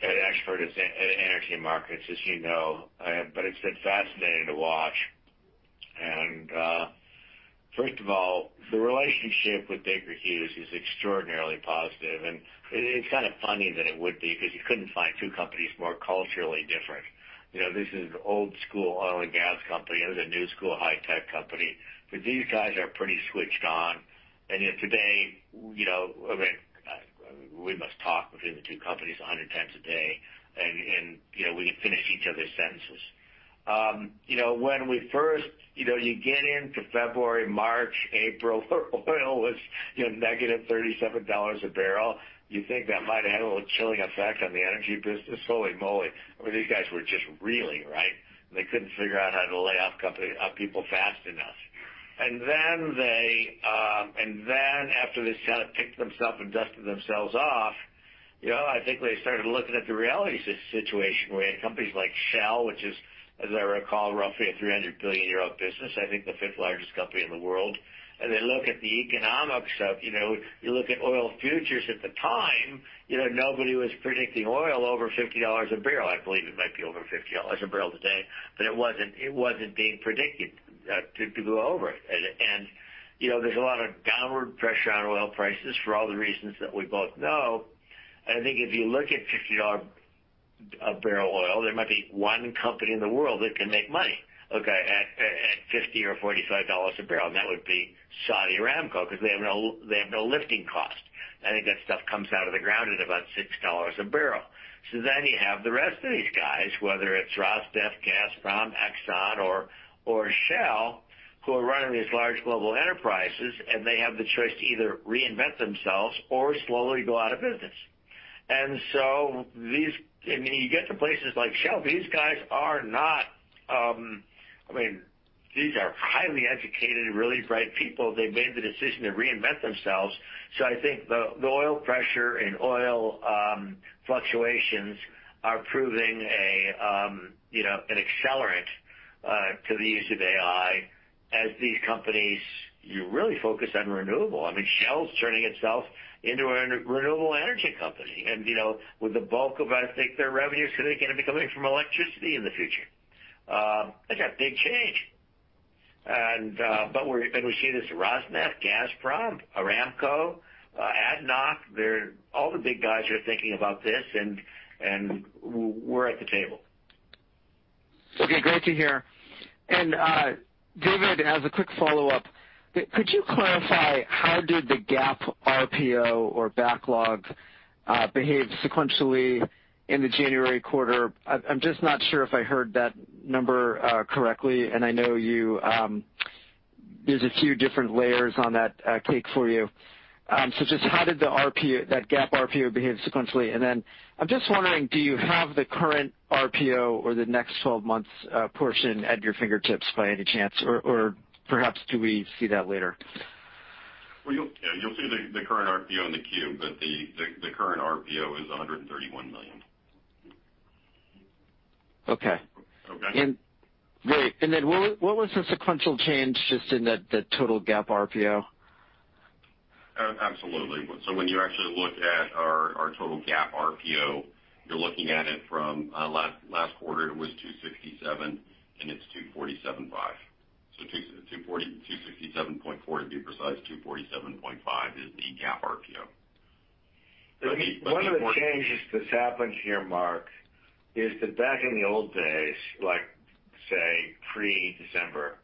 expert in energy markets, as you know. It's been fascinating to watch. First of all, the relationship with Baker Hughes is extraordinarily positive, and it's kind of funny that it would be, because you couldn't find two companies more culturally different. This is an old-school oil and gas company. This is a new high-tech school company. These guys are pretty switched on. Yet today, we must talk between the two companies 100x a day, and we can finish each other's sentences. When you get into February, March, and April, oil was -$37 a barrel. You think that might have a little chilling effect on the energy business. Holy moly. These guys were just reeling, right? They couldn't figure out how to lay off people fast enough. After they kind of picked themselves and dusted themselves off, I think they started looking at the reality situation where you had companies like Shell, which is, as I recall, roughly a 300 billion euro business, I think the fifth largest company in the world. They look at the economics of-- you look at oil futures at the time; nobody was predicting oil over $50 a barrel. I believe it might be over $50 a barrel today, but it wasn't being predicted to go over it. There's a lot of downward pressure on oil prices for all the reasons that we both know. I think if you look at $50 a barrel oil, there might be one company in the world that can make money, okay, at $50 or $45 a barrel, and that would be Saudi Aramco, because they have no lifting cost. I think that stuff comes out of the ground at about $6 a barrel. You have the rest of these guys, whether it's Rosneft, Gazprom, Exxon, or Shell, who are running these large global enterprises, and they have the choice to either reinvent themselves or slowly go out of business. You get to places like Shell. These guys are not. These are highly educated and really bright people. They made the decision to reinvent themselves. I think the oil pressure and oil fluctuations are proving an accelerant to the use of AI as these companies really focus on renewable. Shell's turning itself into a renewable energy company, and with the bulk of, I think, their revenues are going to be coming from electricity in the future. That's a big change. We see this Rosneft, Gazprom, Aramco, and ADNOC. All the big guys are thinking about this, and we're at the table. Okay. Great to hear. David, as a quick follow-up, could you clarify how the GAAP RPO or backlog behaved sequentially in the January quarter? I'm just not sure if I heard that number correctly. I know there are a few different layers on that cake for you. Just how did that GAAP RPO behave sequentially? Then I'm just wondering, do you have the current RPO or the next 12 months' portion at your fingertips by any chance, or perhaps do we see that later? Well, you'll see the current RPO in the queue, but the current RPO is $131 million. Okay. Okay? Great. What was the sequential change just in the total GAAP RPO? Absolutely. When you actually look at our total GAAP RPO, you're looking at it from last quarter; it was $267, and it's $247.5-$267.4, to be precise, $247.5 is the GAAP RPO. One of the changes that's happened here, Mark, is that back in the old days, like say pre-December,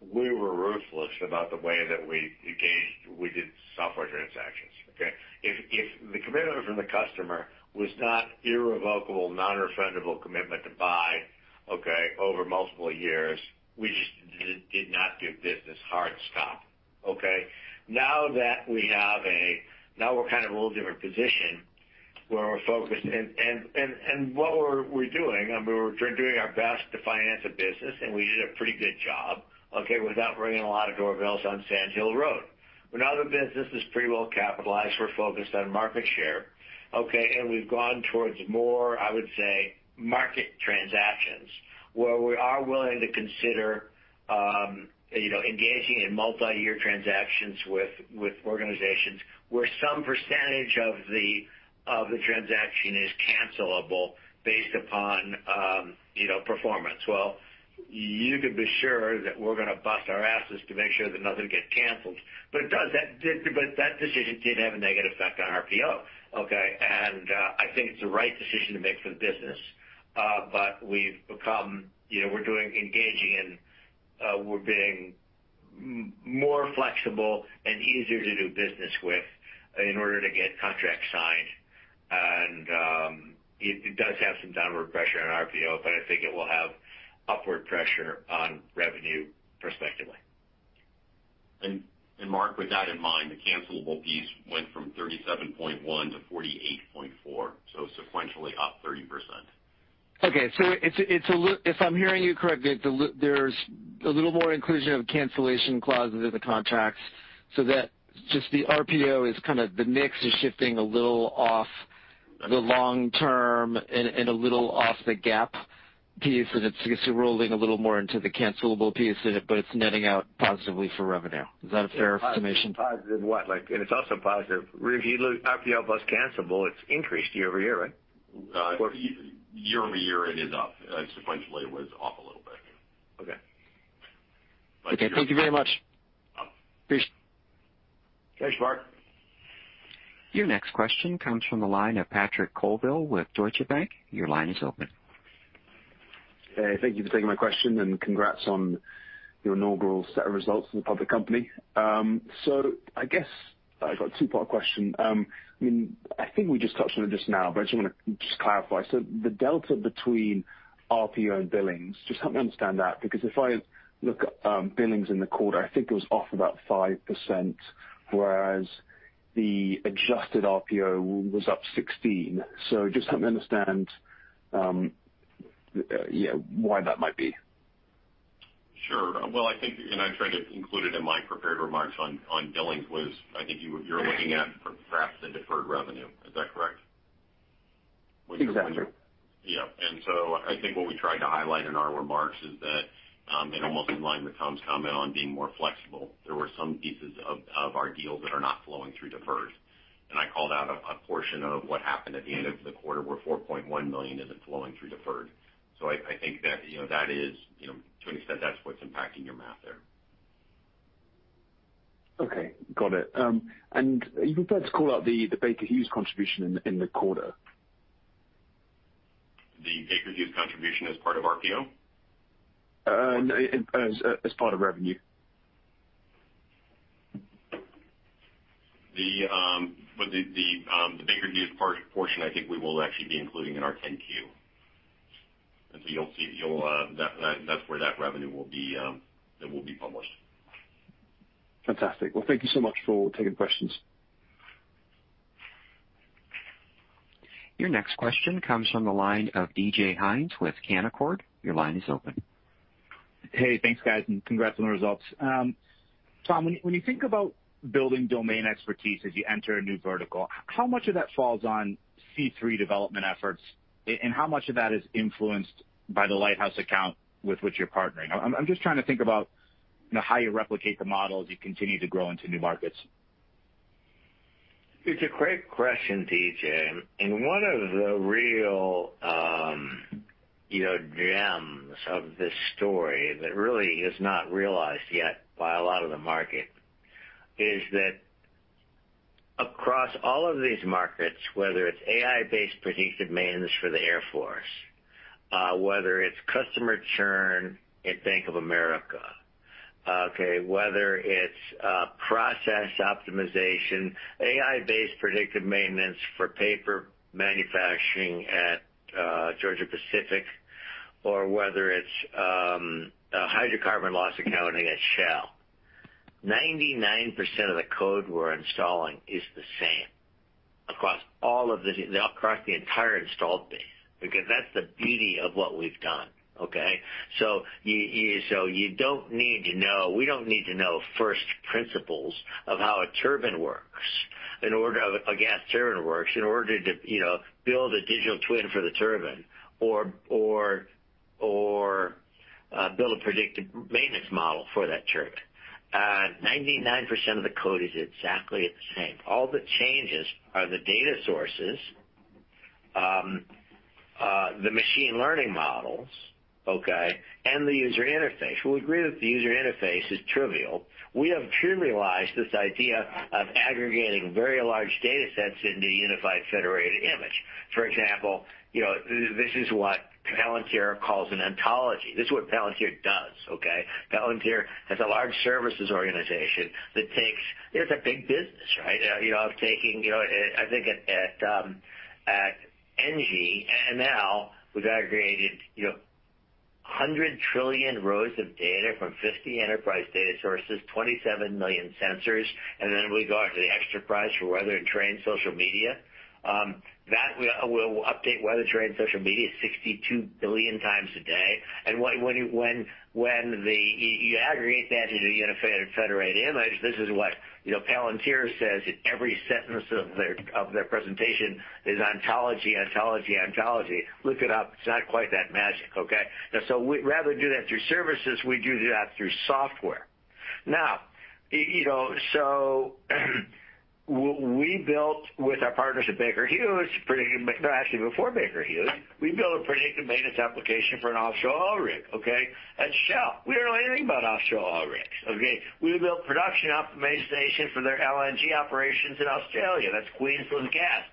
we were ruthless about the way that we engaged; we did software transactions, okay? If the commitment from the customer was not an irrevocable, non-refundable commitment to buy, okay, over multiple years, we just did not do business, hard stop, okay? Now we're kind of in a little different position where we're focused, and what we're doing, we're doing our best to finance a business, and we did a pretty good job, okay, without ringing a lot of doorbells on Sand Hill Road. When our business is pretty well capitalized, we're focused on market share. Okay, and we've gone towards more, I would say, market transactions, where we are willing to consider engaging in multi-year transactions with organizations where some percentage of the transaction is cancelable based upon performance. Well, you can be sure that we're going to bust our asses to make sure that nothing gets canceled. That decision did have a negative effect on RPO. Okay, I think it's the right decision to make for the business. We're engaging, and we're being more flexible and easier to do business with in order to get contracts signed. It does have some downward pressure on RPO; I think it will have upward pressure on revenue perspectively. Mark, with that in mind, the cancelable piece went from $37.1-$48.4. Sequentially up 30%. Okay. If I'm hearing you correctly, there's a little more inclusion of cancellation clauses in the contracts so that just the RPO is kind of the mix. The shift is a little off the long term and a little off the GAAP piece, and it's rolling a little more into the cancelable piece, but it's netting out positively for revenue. Is that a fair estimation? Positive what? Like, it's also positive. If you look at RPO plus cancelable, it's increased year-over-year, right? Year-over-year, it is up. Sequentially, it was off a little bit. Okay. Thank you very much. Appreciate it. Thanks, Mark. Your next question comes from the line of Patrick Colville with Deutsche Bank. Your line is open. Hey, thank you for taking my question, and congrats on your inaugural set of results in the public company. I guess I've got a two-part question. I think we just touched on it just now, but I just want to clarify. The delta between RPO and billings, just help me understand that, because if I look at billings in the quarter, I think it was off about 5%, whereas the adjusted RPO was up 16. Just help me understand why that might be. Sure. Well, I think, and I tried to include it in my prepared remarks on billings, was, I think you're looking at perhaps the deferred revenue. Is that correct? Exactly. Yeah. I think what we tried to highlight in our remarks is that, and almost in line with Tom's comment on being more flexible, there were some pieces of our deals that are not flowing through deferred. I called out a portion of what happened at the end of the quarter where $4.1 million isn't flowing through deferred. I think that is, to an extent, what's impacting your math there. Okay. Got it. You preferred to call out the Baker Hughes contribution in the quarter. The Baker Hughes contribution is part of RPO? As part of revenue. The Baker Hughes portion, I think, we will actually be including in our 10-Q. That's where that revenue will be published. Fantastic. Well, thank you so much for taking questions. Your next question comes from the line of DJ Hynes with Canaccord. Your line is open. Hey, thanks, guys, and congrats on the results. Tom, when you think about building domain expertise as you enter a new vertical, how much of that falls on C3 development efforts, and how much of that is influenced by the Lighthouse account with which you're partnering? I'm just trying to think about how you replicate the model as you continue to grow into new markets. It's a great question, DJ. One of the real gems of this story that really is not realized yet by a lot of the market is that across all of these markets, whether it's AI-based predictive maintenance for the Air Force, whether it's customer churn at Bank of America, okay, whether it's process optimization, AI-based predictive maintenance for paper manufacturing at Georgia-Pacific, or whether it's hydrocarbon loss accounting at Shell, 99% of the code we're installing is the same across the entire installed base, because that's the beauty of what we've done. Okay? We don't need to know first principles of how a gas turbine works in order to build a digital twin for the turbine or build a predictive maintenance model for that turbine. 99% of the code is exactly the same. All the changes are the data sources, the machine learning models, okay, and the user interface. We agree that the user interface is trivial. We have trivialized this idea of aggregating very large data sets into a unified, federated image. For example, this is what Palantir calls an ontology. This is what Palantir does. Okay? Palantir has a large services organization that takes care of it. It's a big business, right? I think at ENGIE and now we've aggregated 100 trillion rows of data from 50 enterprise data sources and 27 million sensors. Then we go out to the extra price for weather and terrain, social media. That will update weather, terrain, social media 62 billion times a day. When you aggregate that into a unified federated image, this is what Palantir says in every sentence of their presentation is ontology, ontology. Look it up. It's not quite that magic, okay? We'd rather do that through services; we do that through software. We built with our partners at Baker Hughes, actually before Baker Hughes, we built a predictive maintenance application for an offshore oil rig, okay? At Shell. We don't know anything about offshore oil rigs, okay? We built production optimization for their LNG operations in Australia. That's Queensland Gas.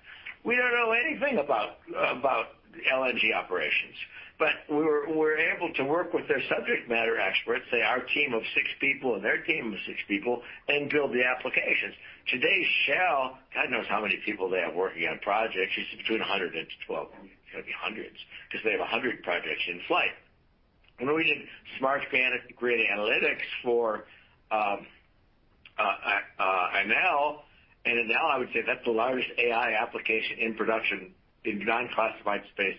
We don't know anything about LNG operations. We're able to work with their subject matter experts, say our team of six people and their team of six people, and build the applications. Today, Shell, God knows how many people they have working on projects. It's between 100 and 12. It's got to be hundreds because they have 100 projects in flight. We did smart grid analytics for Enel. Enel, I would say that's the largest AI application in production in non-classified space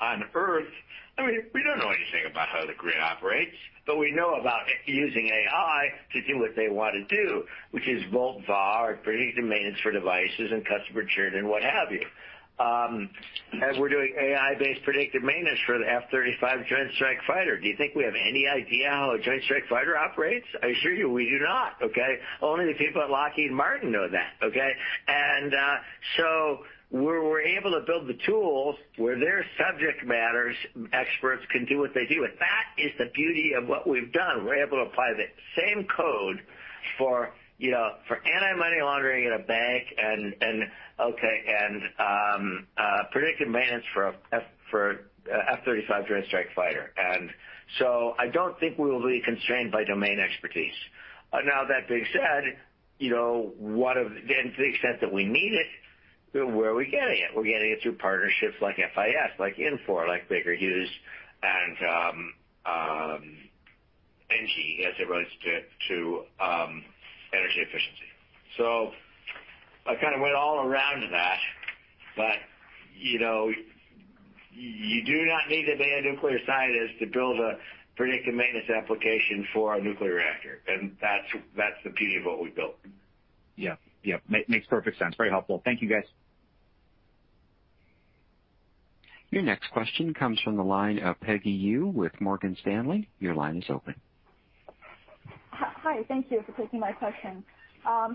on Earth. We don't know anything about how the grid operates, but we know about using AI to do what they want to do, which is volt-VAR, predictive maintenance for devices, and customer churn, and what have you. We're doing AI-based predictive maintenance for the F-35 Joint Strike Fighter. Do you think we have any idea how a Joint Strike Fighter operates? I assure you, we do not, okay? Only the people at Lockheed Martin know that, okay? We're able to build the tools where their subject matter experts can do what they do. That is the beauty of what we've done. We're able to apply the same code for anti-money laundering in a bank and predictive maintenance for the F-35 Joint Strike Fighter. I don't think we'll be constrained by domain expertise. Now, that being said, to the extent that we need it, where are we getting it? We're getting it through partnerships like FIS, Infor, Baker Hughes, and ENGIE as it relates to energy efficiency. I kind of went all around that. You do not need to be a nuclear scientist to build a predictive maintenance application for a nuclear reactor. That's the beauty of what we've built. Yeah. Makes perfect sense. Very helpful. Thank you, guys. Your next question comes from the line of Peggy Yu with Morgan Stanley. Your line is open. Hi, thank you for taking my question.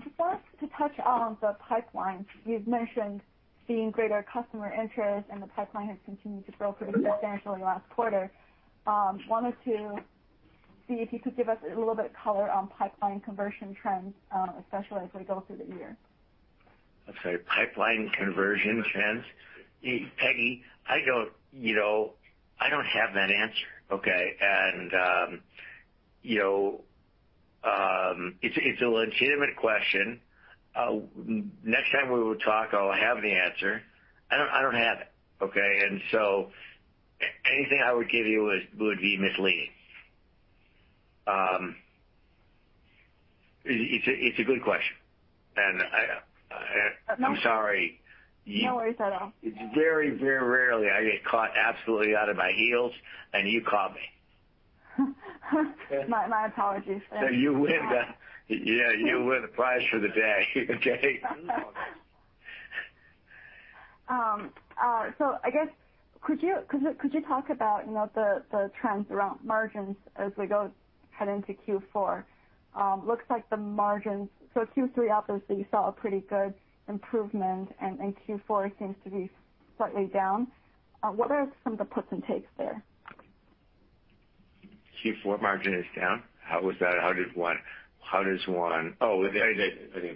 Just wanted to touch on the pipeline. You've mentioned seeing greater customer interest, and the pipeline has continued to grow pretty substantially last quarter. I wanted to see if you could give us a little bit of color on pipeline conversion trends, especially as we go through the year. I'm sorry, pipeline conversion trends? Peggy, I don't have that answer, okay? It's a legitimate question. Next time we talk, I'll have the answer. I don't have it, okay? Anything I would give you would be misleading. It's a good question, and I'm sorry. No worries at all. It's very, very rare that I get caught absolutely out of my heels, and you caught me. My apologies. You win the prize for the day, okay. I guess, could you talk about the trends around margins as we head into Q4? Looks like the margins. Q3 obviously saw a pretty good improvement, and Q4 seems to be slightly down. What are some of the puts and takes there? Is Q4 margin down? How was that? Oh, I think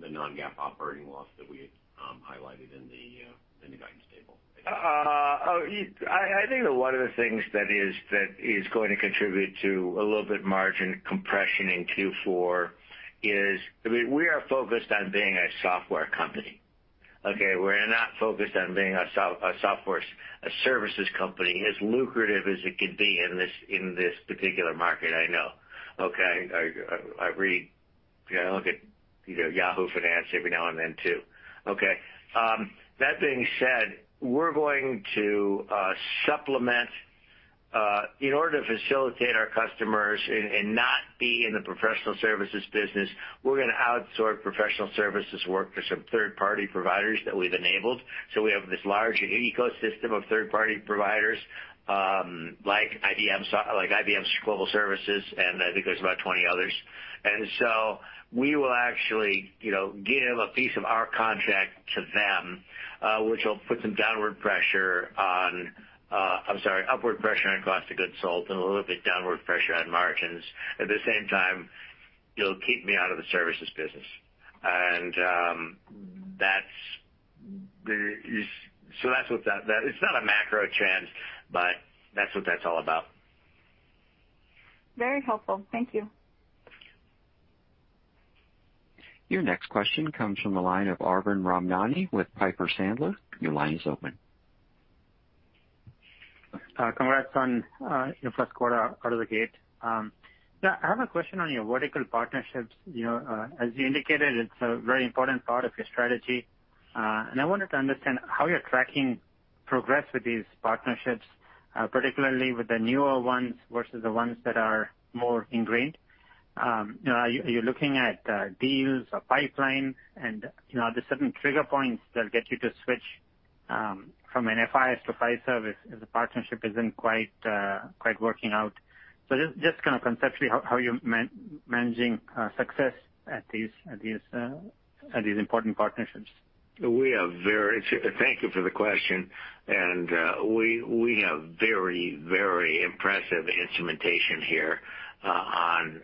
the non-GAAP operating loss that we highlighted in the guidance table. I think that one of the things that is going to contribute to a little bit margin compression in Q4 is, we are focused on being a software company. We're not focused on being a software services company, as lucrative as it could be in this particular market, I know. I look at Yahoo Finance every now and then, too. That being said, we're going to supplement. In order to facilitate our customers and not be in the professional services business, we're going to outsource professional services work to some third-party providers that we've enabled. We have this large ecosystem of third-party providers, like IBM Global Services, and I think there are about 20 others. We will actually give a piece of our contract to them, which will put some upward pressure on cost of goods sold and a little bit downward pressure on margins. At the same time, it'll keep me out of the services business. It's not a macro trend, but that's what that's all about. Very helpful. Thank you. Your next question comes from the line of Arvind Ramnani with Piper Sandler. Your line is open. Congrats on your first quarter out of the gate. Yeah, I have a question on your vertical partnerships. As you indicated, it's a very important part of your strategy. I wanted to understand how you're tracking progress with these partnerships, particularly with the newer ones versus the ones that are more ingrained. Are you looking at deals or pipelines, and are there certain trigger points that'll get you to switch from an FIS to Fiserv if the partnership isn't quite working out? Just conceptually, how are you managing success at these important partnerships? Thank you for the question. We have very impressive instrumentation here on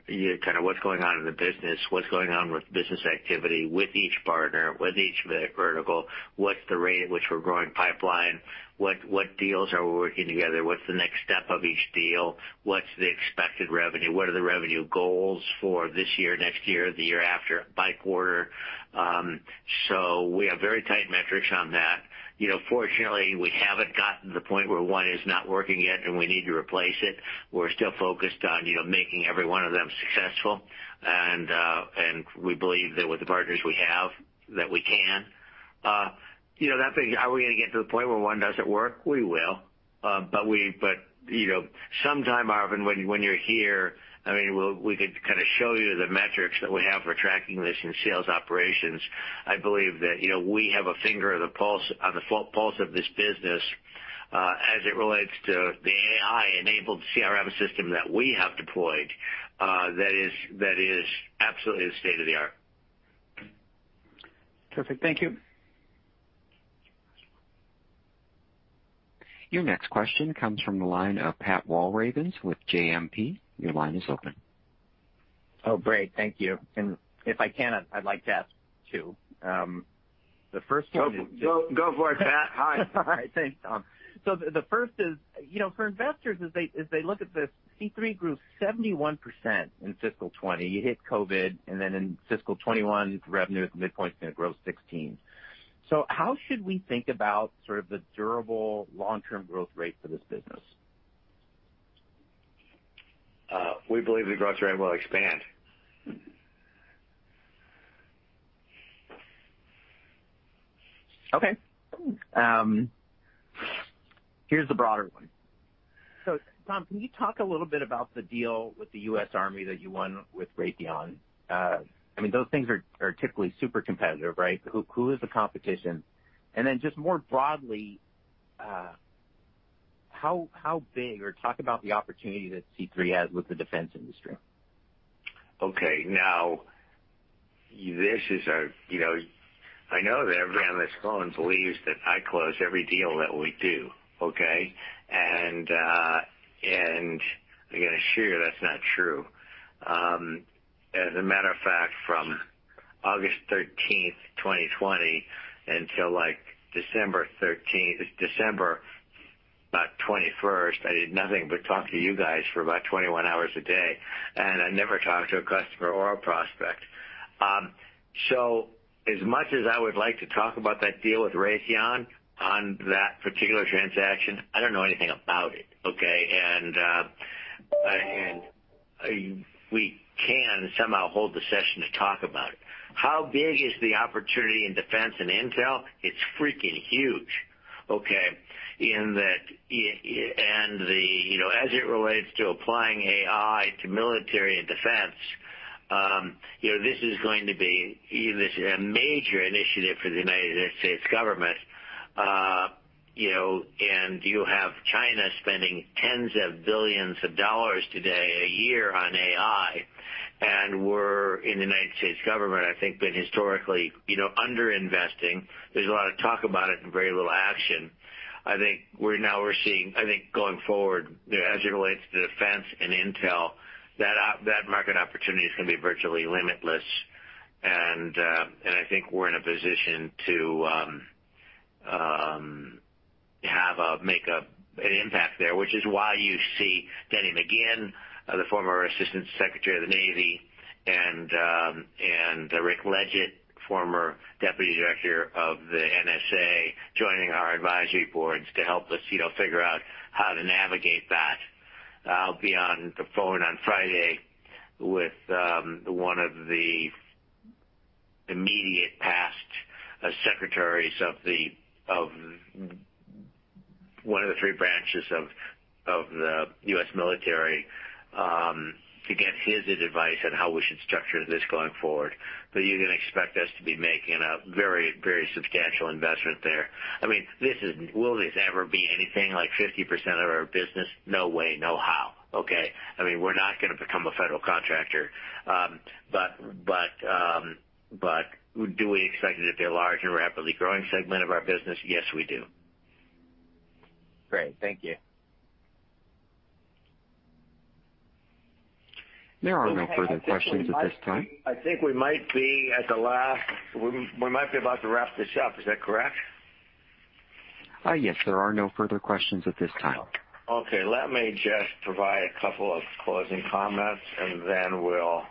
what's going on in the business, what's going on with business activity, with each partner, with each vertical, what's the rate at which we're growing the pipeline, what deals are we working together, what's the next step of each deal, what's the expected revenue, and what are the revenue goals for this year, next year, the year after, by quarter. We have very tight metrics on that. Fortunately, we haven't gotten to the point where one is not working yet, and we need to replace it. We're still focused on making every one of them successful. We believe that with the partners we have, that we can. Are we going to get to the point where one doesn't work? We will. Sometime, Arvind, when you're here, we could show you the metrics that we have for tracking this in sales operations. I believe that we have a finger on the pulse of this business as it relates to the AI-enabled CRM system that we have deployed that is absolutely the state of the art. Perfect. Thank you. Your next question comes from the line of Pat Walravens with JMP. Your line is open. Oh, great. Thank you. If I can, I'd like to ask two. The first one is— Go for it, Pat. Hi. Hi. Thanks, Tom. The first is, for investors as they look at this, C3.ai grew 71% in fiscal 2020. You hit COVID, and then in fiscal 2021 revenue at the midpoint is going to grow 16. How should we think about sort of the durable long-term growth rate for this business? We believe the growth rate will expand. Okay. Here's the broader one. Tom, can you talk a little bit about the deal with the U.S. Army, did you win with Raytheon? Those things are typically super competitive, right? Who is the competition? Just more broadly, how big, or talk about the opportunity that C3.ai has with the defense industry. Okay. Now, I know that everyone on this call believes that I close every deal that we do, okay. I'm going to assure you that's not true. As a matter of fact, from August 13th, 2020 until December 21st, I did nothing but talk to you guys for about 21 hours a day, and I never talked to a customer or a prospect. As much as I would like to talk about that deal with Raytheon on that particular transaction, I don't know anything about it, okay? We can somehow hold the session to talk about it. How big is the opportunity in defense and intel? It's freaking huge, okay. As it relates to applying AI to military and defense, this is going to be a major initiative for the United States government. You have China spending tens of billions of dollars today a year on AI. We're, in the U.S. government, I think, historically under-investing. There's a lot of talk about it and very little action. I think now we're seeing, going forward, as it relates to defense and intel, that market opportunity is going to be virtually limitless. I think we're in a position to make an impact there, which is why you see Denny McGinn, the former Assistant Secretary of the Navy, and Rick Ledgett, former Deputy Director of the NSA, joining our advisory boards to help us figure out how to navigate that. I'll be on the phone on Friday with one of the immediate past secretaries of one of the three branches of the U.S. military to get his advice on how we should structure this going forward. You can expect us to be making a very substantial investment there. Will this ever be anything like 50% of our business? No way, no how. Okay? We're not going to become a federal contractor. Do we expect it to be a large and rapidly growing segment of our business? Yes, we do. Great. Thank you. There are no further questions at this time. I think we might be about to wrap this up. Is that correct? Yes, there are no further questions at this time. Let me just provide a couple of closing comments and then we'll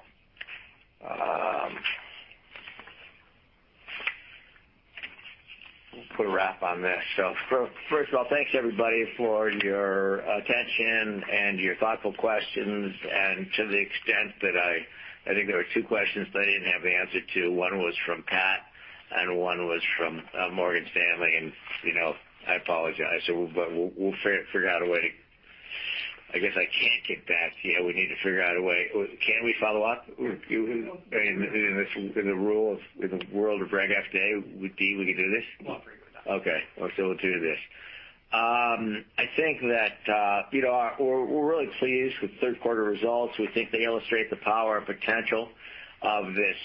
put a wrap on this. First of all, thanks, everybody, for your attention and your thoughtful questions. To the extent that I think there were two questions that I didn't have the answer to. One was from Pat, and one was from Morgan Stanley. I apologize. We'll figure out a way to—I guess I can't get back to you. We need to figure out a way. Can we follow up? In the world of Regulation FD, David, we can do this? We'll agree with that. Okay. We'll do this. I think that we're really pleased with third quarter results. We think they illustrate the power and potential of this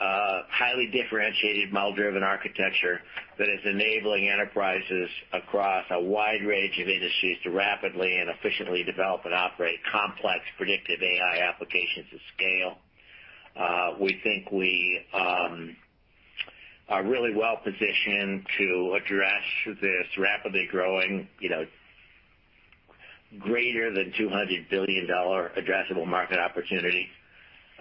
highly differentiated model-driven architecture that is enabling enterprises across a wide range of industries to rapidly and efficiently develop and operate complex predictive AI applications at scale. We think we are really well positioned to address this rapidly growing, greater than $200 billion addressable market opportunity.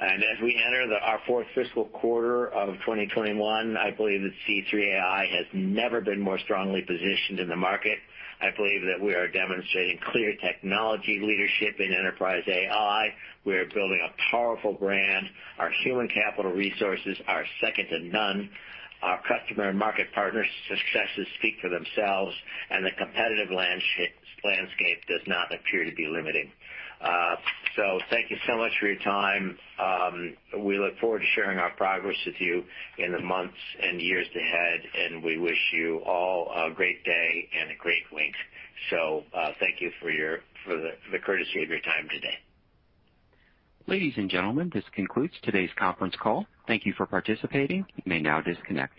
As we enter our fourth fiscal quarter of 2021, I believe that C3.ai has never been more strongly positioned in the market. I believe that we are demonstrating clear technology leadership in enterprise AI. We are building a powerful brand. Our human capital resources are second to none. Our customers' and market partners' successes speak for themselves; the competitive landscape does not appear to be limiting. Thank you so much for your time. We look forward to sharing our progress with you in the months and years ahead, and we wish you all a great day and a great week. Thank you for the courtesy of your time today. Ladies and gentlemen, this concludes today's conference call. Thank you for participating. You may now disconnect.